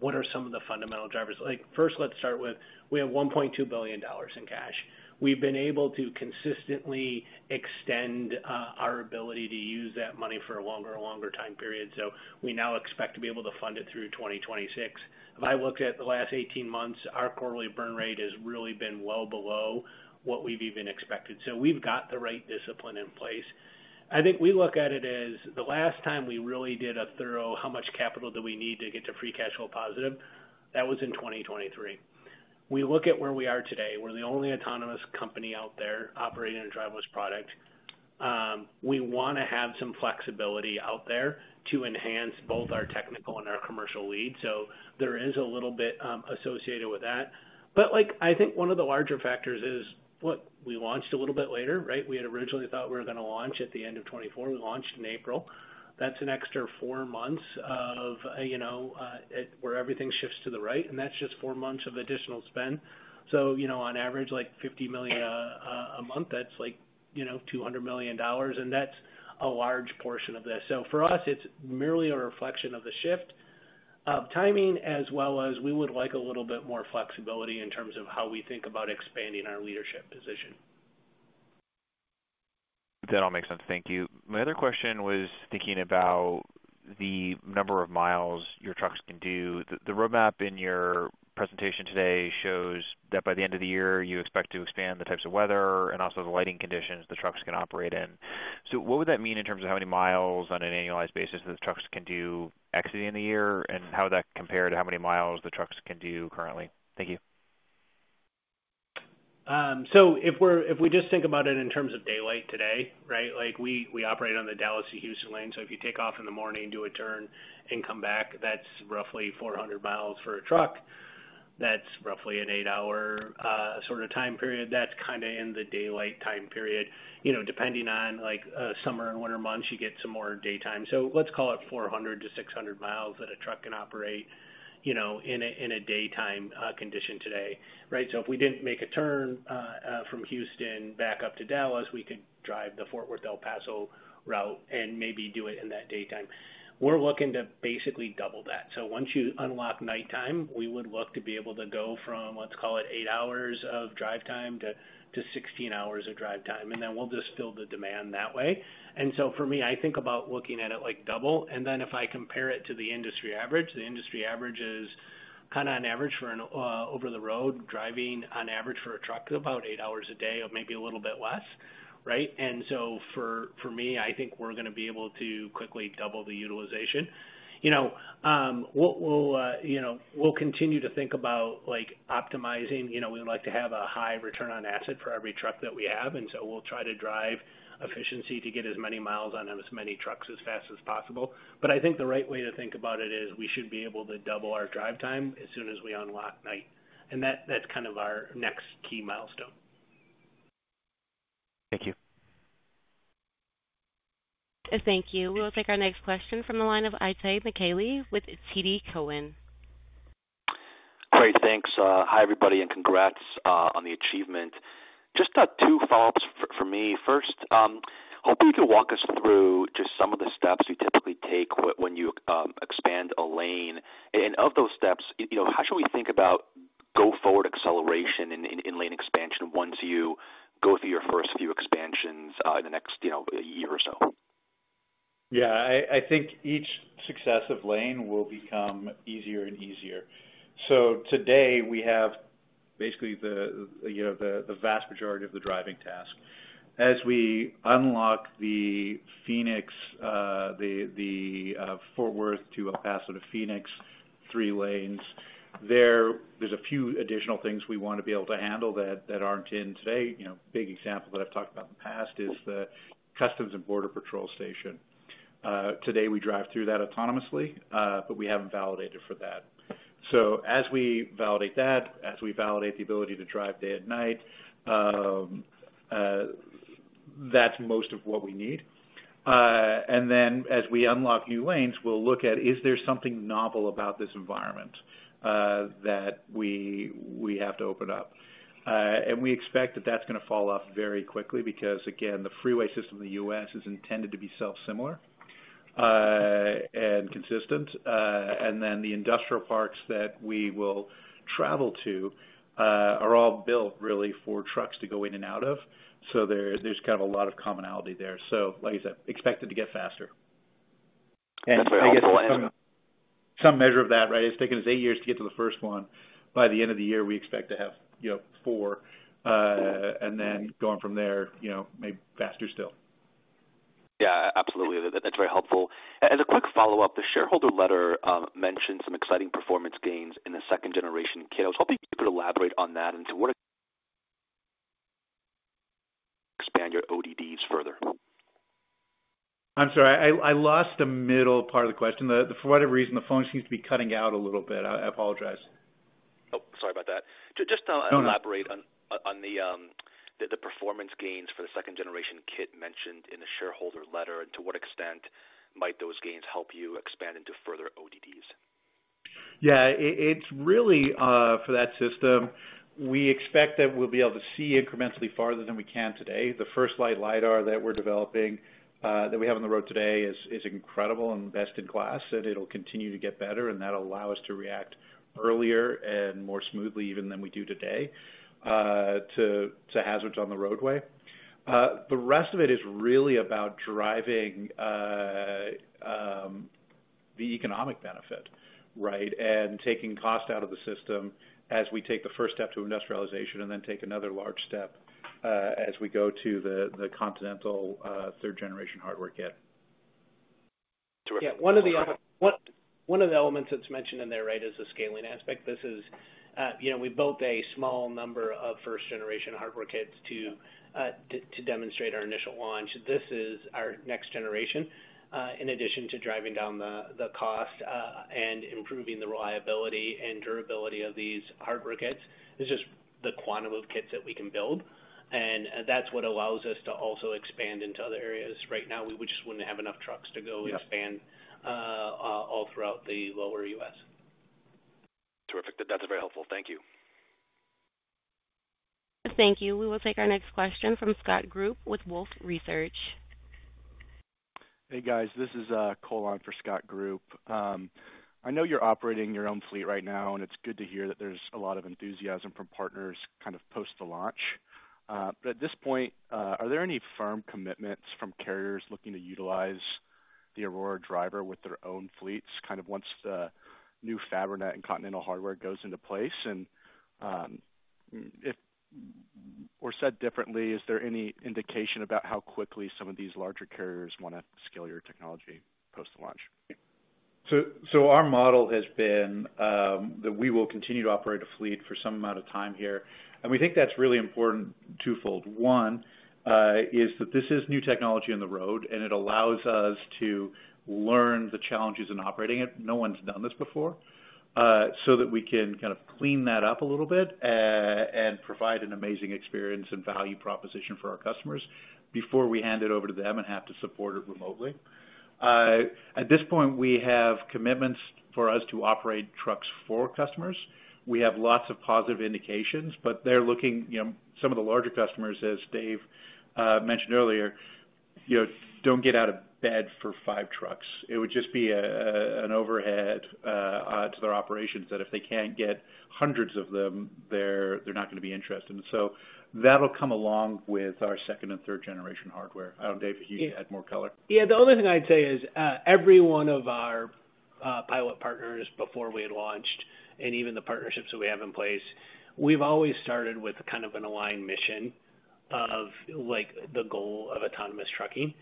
what are some of the fundamental drivers, first, let's start with we have $1.2 billion in cash. We've been able to consistently extend our ability to use that money for a longer and longer time period. So we now expect to be able to fund it through 2026. If I look at the last 18 months, our quarterly burn rate has really been well below what we've even expected. So we've got the right discipline in place. I think we look at it as the last time we really did a thorough, how much capital do we need to get to free cash flow positive, that was in 2023. We look at where we are today. We're the only autonomous company out there operating a driverless product. We want to have some flexibility out there to enhance both our technical and our commercial lead. So there is a little bit associated with that. But I think one of the larger factors is what we launched a little bit later, right? We had originally thought we were going to launch at the end of 2024. We launched in April. That's an extra four months of where everything shifts to the right, and that's just four months of additional spend. So on average, like 50 million a month, that's like $200 million, and that's a large portion of this. So for us, it's merely a reflection of the shift of timing as well as we would like a little bit more flexibility in terms of how we think about expanding our leadership position. That all makes sense. Thank you. My other question was thinking about the number of miles your trucks can do. The roadmap in your presentation today shows that by the end of the year, you expect to expand the types of weather and also the lighting conditions the trucks can operate in. So what would that mean in terms of how many miles on an annualized basis that the trucks can do exiting the year, and how would that compare to how many miles the trucks can do currently? Thank you. So if we just think about it in terms of daylight today, right? We operate on the Dallas to Houston lane. So if you take off in the morning, do a turn, and come back, that's roughly 400 miles for a truck. That's roughly an eight-hour sort of time period. That's kind of in the daylight time period. Depending on summer and winter months, you get some more daytime. So let's call it 400-600 miles that a truck can operate in a daytime condition today, right? So if we didn't make a turn from Houston back up to Dallas, we could drive the Fort Worth, El Paso route and maybe do it in that daytime. We're looking to basically double that. So once you unlock nighttime, we would look to be able to go from, let's call it, eight hours of drive time to 16 hours of drive time. And then we'll just fill the demand that way. And so for me, I think about looking at it like double. And then if I compare it to the industry average, the industry average is kind of on average for an over-the-road driving on average for a truck is about eight hours a day or maybe a little bit less, right? And so for me, I think we're going to be able to quickly double the utilization. What we'll continue to think about optimizing, we would like to have a high return on asset for every truck that we have. And so we'll try to drive efficiency to get as many miles on as many trucks as fast as possible. But I think the right way to think about it is we should be able to double our drive time as soon as we unlock night. And that's kind of our next key milestone. Thank you. Thank you. We'll take our next question from the line of Itay Michaeli with Citigroup. Great. Thanks. Hi, everybody, and congrats on the achievement. Just two follow-ups for me. First, hopefully, you can walk us through just some of the steps you typically take when you expand a lane. And of those steps, how should we think about go forward acceleration in lane expansion once you go through your first few expansions in the next year or so? Yeah. I think each successive lane will become easier and easier. So today, we have basically the vast majority of the driving task. As we unlock the Phoenix, the Fort Worth to El Paso to Phoenix three lanes, there's a few additional things we want to be able to handle that aren't in today. Big example that I've talked about in the past is the Customs and Border Patrol Station. Today, we drive through that autonomously, but we haven't validated for that. So as we validate that, as we validate the ability to drive day and night, that's most of what we need. And then as we unlock new lanes, we'll look at, is there something novel about this environment that we have to open up? And we expect that that's going to fall off very quickly because, again, the freeway system in the US is intended to be self-similar and consistent. And then the industrial parks that we will travel to are all built really for trucks to go in and out of. So there's kind of a lot of commonality there. So like I said, expected to get faster. And so I guess some measure of that, right? It's taken us eight years to get to the first one. By the end of the year, we expect to have four. And then going from there, maybe faster still. Yeah. Absolutely. That's very helpful. As a quick follow-up, the shareholder letter mentioned some exciting performance gains in the second-generation kit. I was hoping you could elaborate on that and to what extent expand your ODDs further? I'm sorry. I lost the middle part of the question. For whatever reason, the phone seems to be cutting out a little bit. I apologize. Oh, sorry about that. Just to elaborate on the performance gains for the second-generation kit mentioned in the shareholder letter and to what extent might those gains help you expand into further ODDs? Yeah. It's really for that system. We expect that we'll be able to see incrementally farther than we can today. The FirstLight Lidar that we're developing that we have on the road today is incredible and best in class, and it'll continue to get better. And that'll allow us to react earlier and more smoothly even than we do today to hazards on the roadway. The rest of it is really about driving the economic benefit, right, and taking cost out of the system as we take the first step to industrialization and then take another large step as we go to the Continental third-generation hardware kit. Yeah. One of the elements that's mentioned in there, right, is the scaling aspect. This is we built a small number of first-generation hardware kits to demonstrate our initial launch. This is our next generation. In addition to driving down the cost and improving the reliability and durability of these hardware kits, it's just the quantum of kits that we can build. And that's what allows us to also expand into other areas. Right now, we just wouldn't have enough trucks to go expand all throughout the lower US. Terrific. That's very helpful. Thank you. Thank you. We will take our next question from Scott Group with Wolfe Research. Hey, guys. This is Colin for Scott Group. I know you're operating your own fleet right now, and it's good to hear that there's a lot of enthusiasm from partners kind of post the launch. But at this point, are there any firm commitments from carriers looking to utilize the Aurora Driver with their own fleets kind of once the new Fabrinet and Continental hardware goes into place? And if said differently, is there any indication about how quickly some of these larger carriers want to scale your technology post the launch? So our model has been that we will continue to operate a fleet for some amount of time here. And we think that's really important twofold. One is that this is new technology on the road, and it allows us to learn the challenges in operating it. No one's done this before so that we can kind of clean that up a little bit and provide an amazing experience and value proposition for our customers before we hand it over to them and have to support it remotely. At this point, we have commitments for us to operate trucks for customers. We have lots of positive indications, but they're looking some of the larger customers, as Dave mentioned earlier, don't get out of bed for five trucks. It would just be an overhead to their operations that if they can't get hundreds of them, they're not going to be interested. And so that'll come along with our second- and third-generation hardware. I don't know, Dave, if you had more color. Yeah the only thing I'd say is every one of our pilot partners before we had launched and even the partnerships that we have in place, we've always started with kind of an aligned mission of the goal of autonomous trucking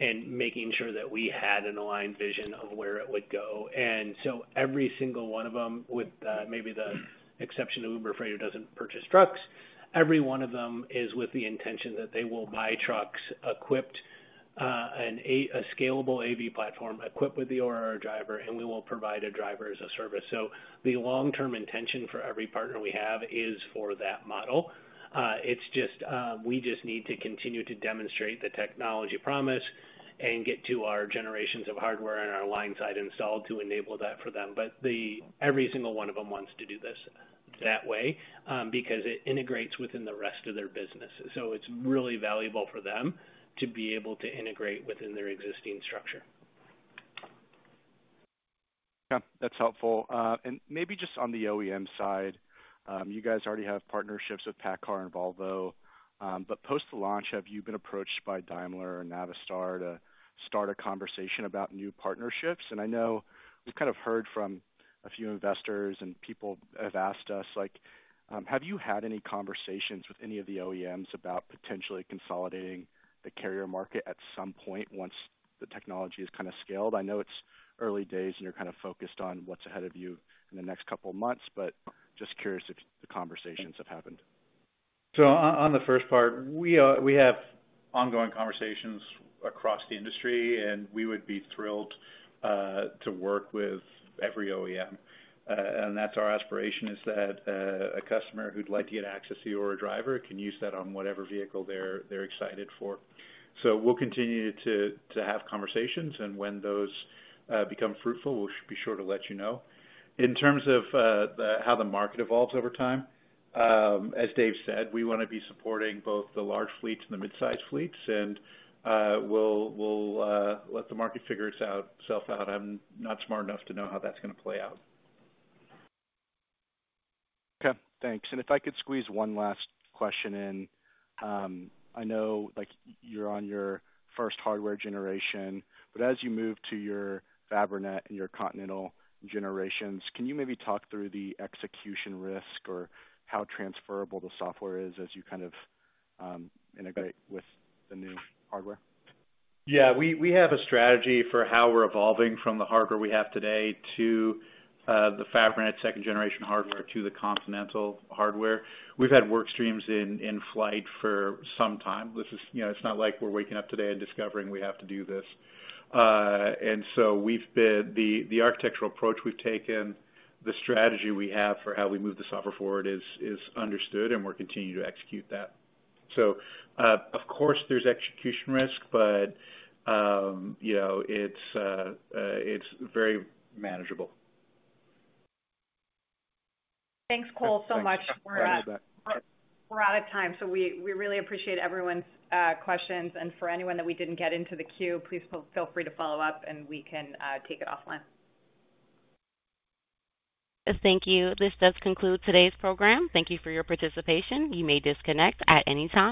and making sure that we had an aligned vision of where it would go. And so every single one of them, with maybe the exception of Uber Freight, who doesn't purchase trucks, every one of them is with the intention that they will buy trucks equipped and a scalable AV platform equipped with the Aurora Driver, and we will provide a driver as a service. So the long-term intention for every partner we have is for that model. It's just we just need to continue to demonstrate the technology promise and get to our generations of hardware and our line-side installed to enable that for them. But every single one of them wants to do this that way because it integrates within the rest of their business. So it's really valuable for them to be able to integrate within their existing structure. Okay. That's helpful. And maybe just on the OEM side, you guys already have partnerships with PACCAR and Volvo. But post the launch, have you been approached by Daimler or Navistar to start a conversation about new partnerships? And I know we've kind of heard from a few investors, and people have asked us, have you had any conversations with any of the OEMs about potentially consolidating the carrier market at some point once the technology is kind of scaled? I know it's early days, and you're kind of focused on what's ahead of you in the next couple of months, but just curious if the conversations have happened. So, on the first part, we have ongoing conversations across the industry, and we would be thrilled to work with every OEM. And that's our aspiration, is that a customer who'd like to get access to our driver can use that on whatever vehicle they're excited for. So we'll continue to have conversations, and when those become fruitful, we'll be sure to let you know. In terms of how the market evolves over time, as Dave said, we want to be supporting both the large fleets and the mid-size fleets, and we'll let the market figure itself out. I'm not smart enough to know how that's going to play out. Okay. Thanks. And if I could squeeze one last question in, I know you're on your first hardware generation, but as you move to your Fabrinet and your Continental generations, can you maybe talk through the execution risk or how transferable the software is as you kind of integrate with the new hardware? Yeah. We have a strategy for how we're evolving from the hardware we have today to the Fabrinet second-generation hardware to the Continental hardware. We've had work streams in flight for some time. It's not like we're waking up today and discovering we have to do this. And so the architectural approach we've taken, the strategy we have for how we move the software forward is understood, and we're continuing to execute that. So of course, there's execution risk, but it's very manageable. Thanks, Colin, so much. We're out of time. So we really appreciate everyone's questions. And for anyone that we didn't get into the queue, please feel free to follow up, and we can take it offline. Thank you. This does conclude today's program. Thank you for your participation. You may disconnect at any time.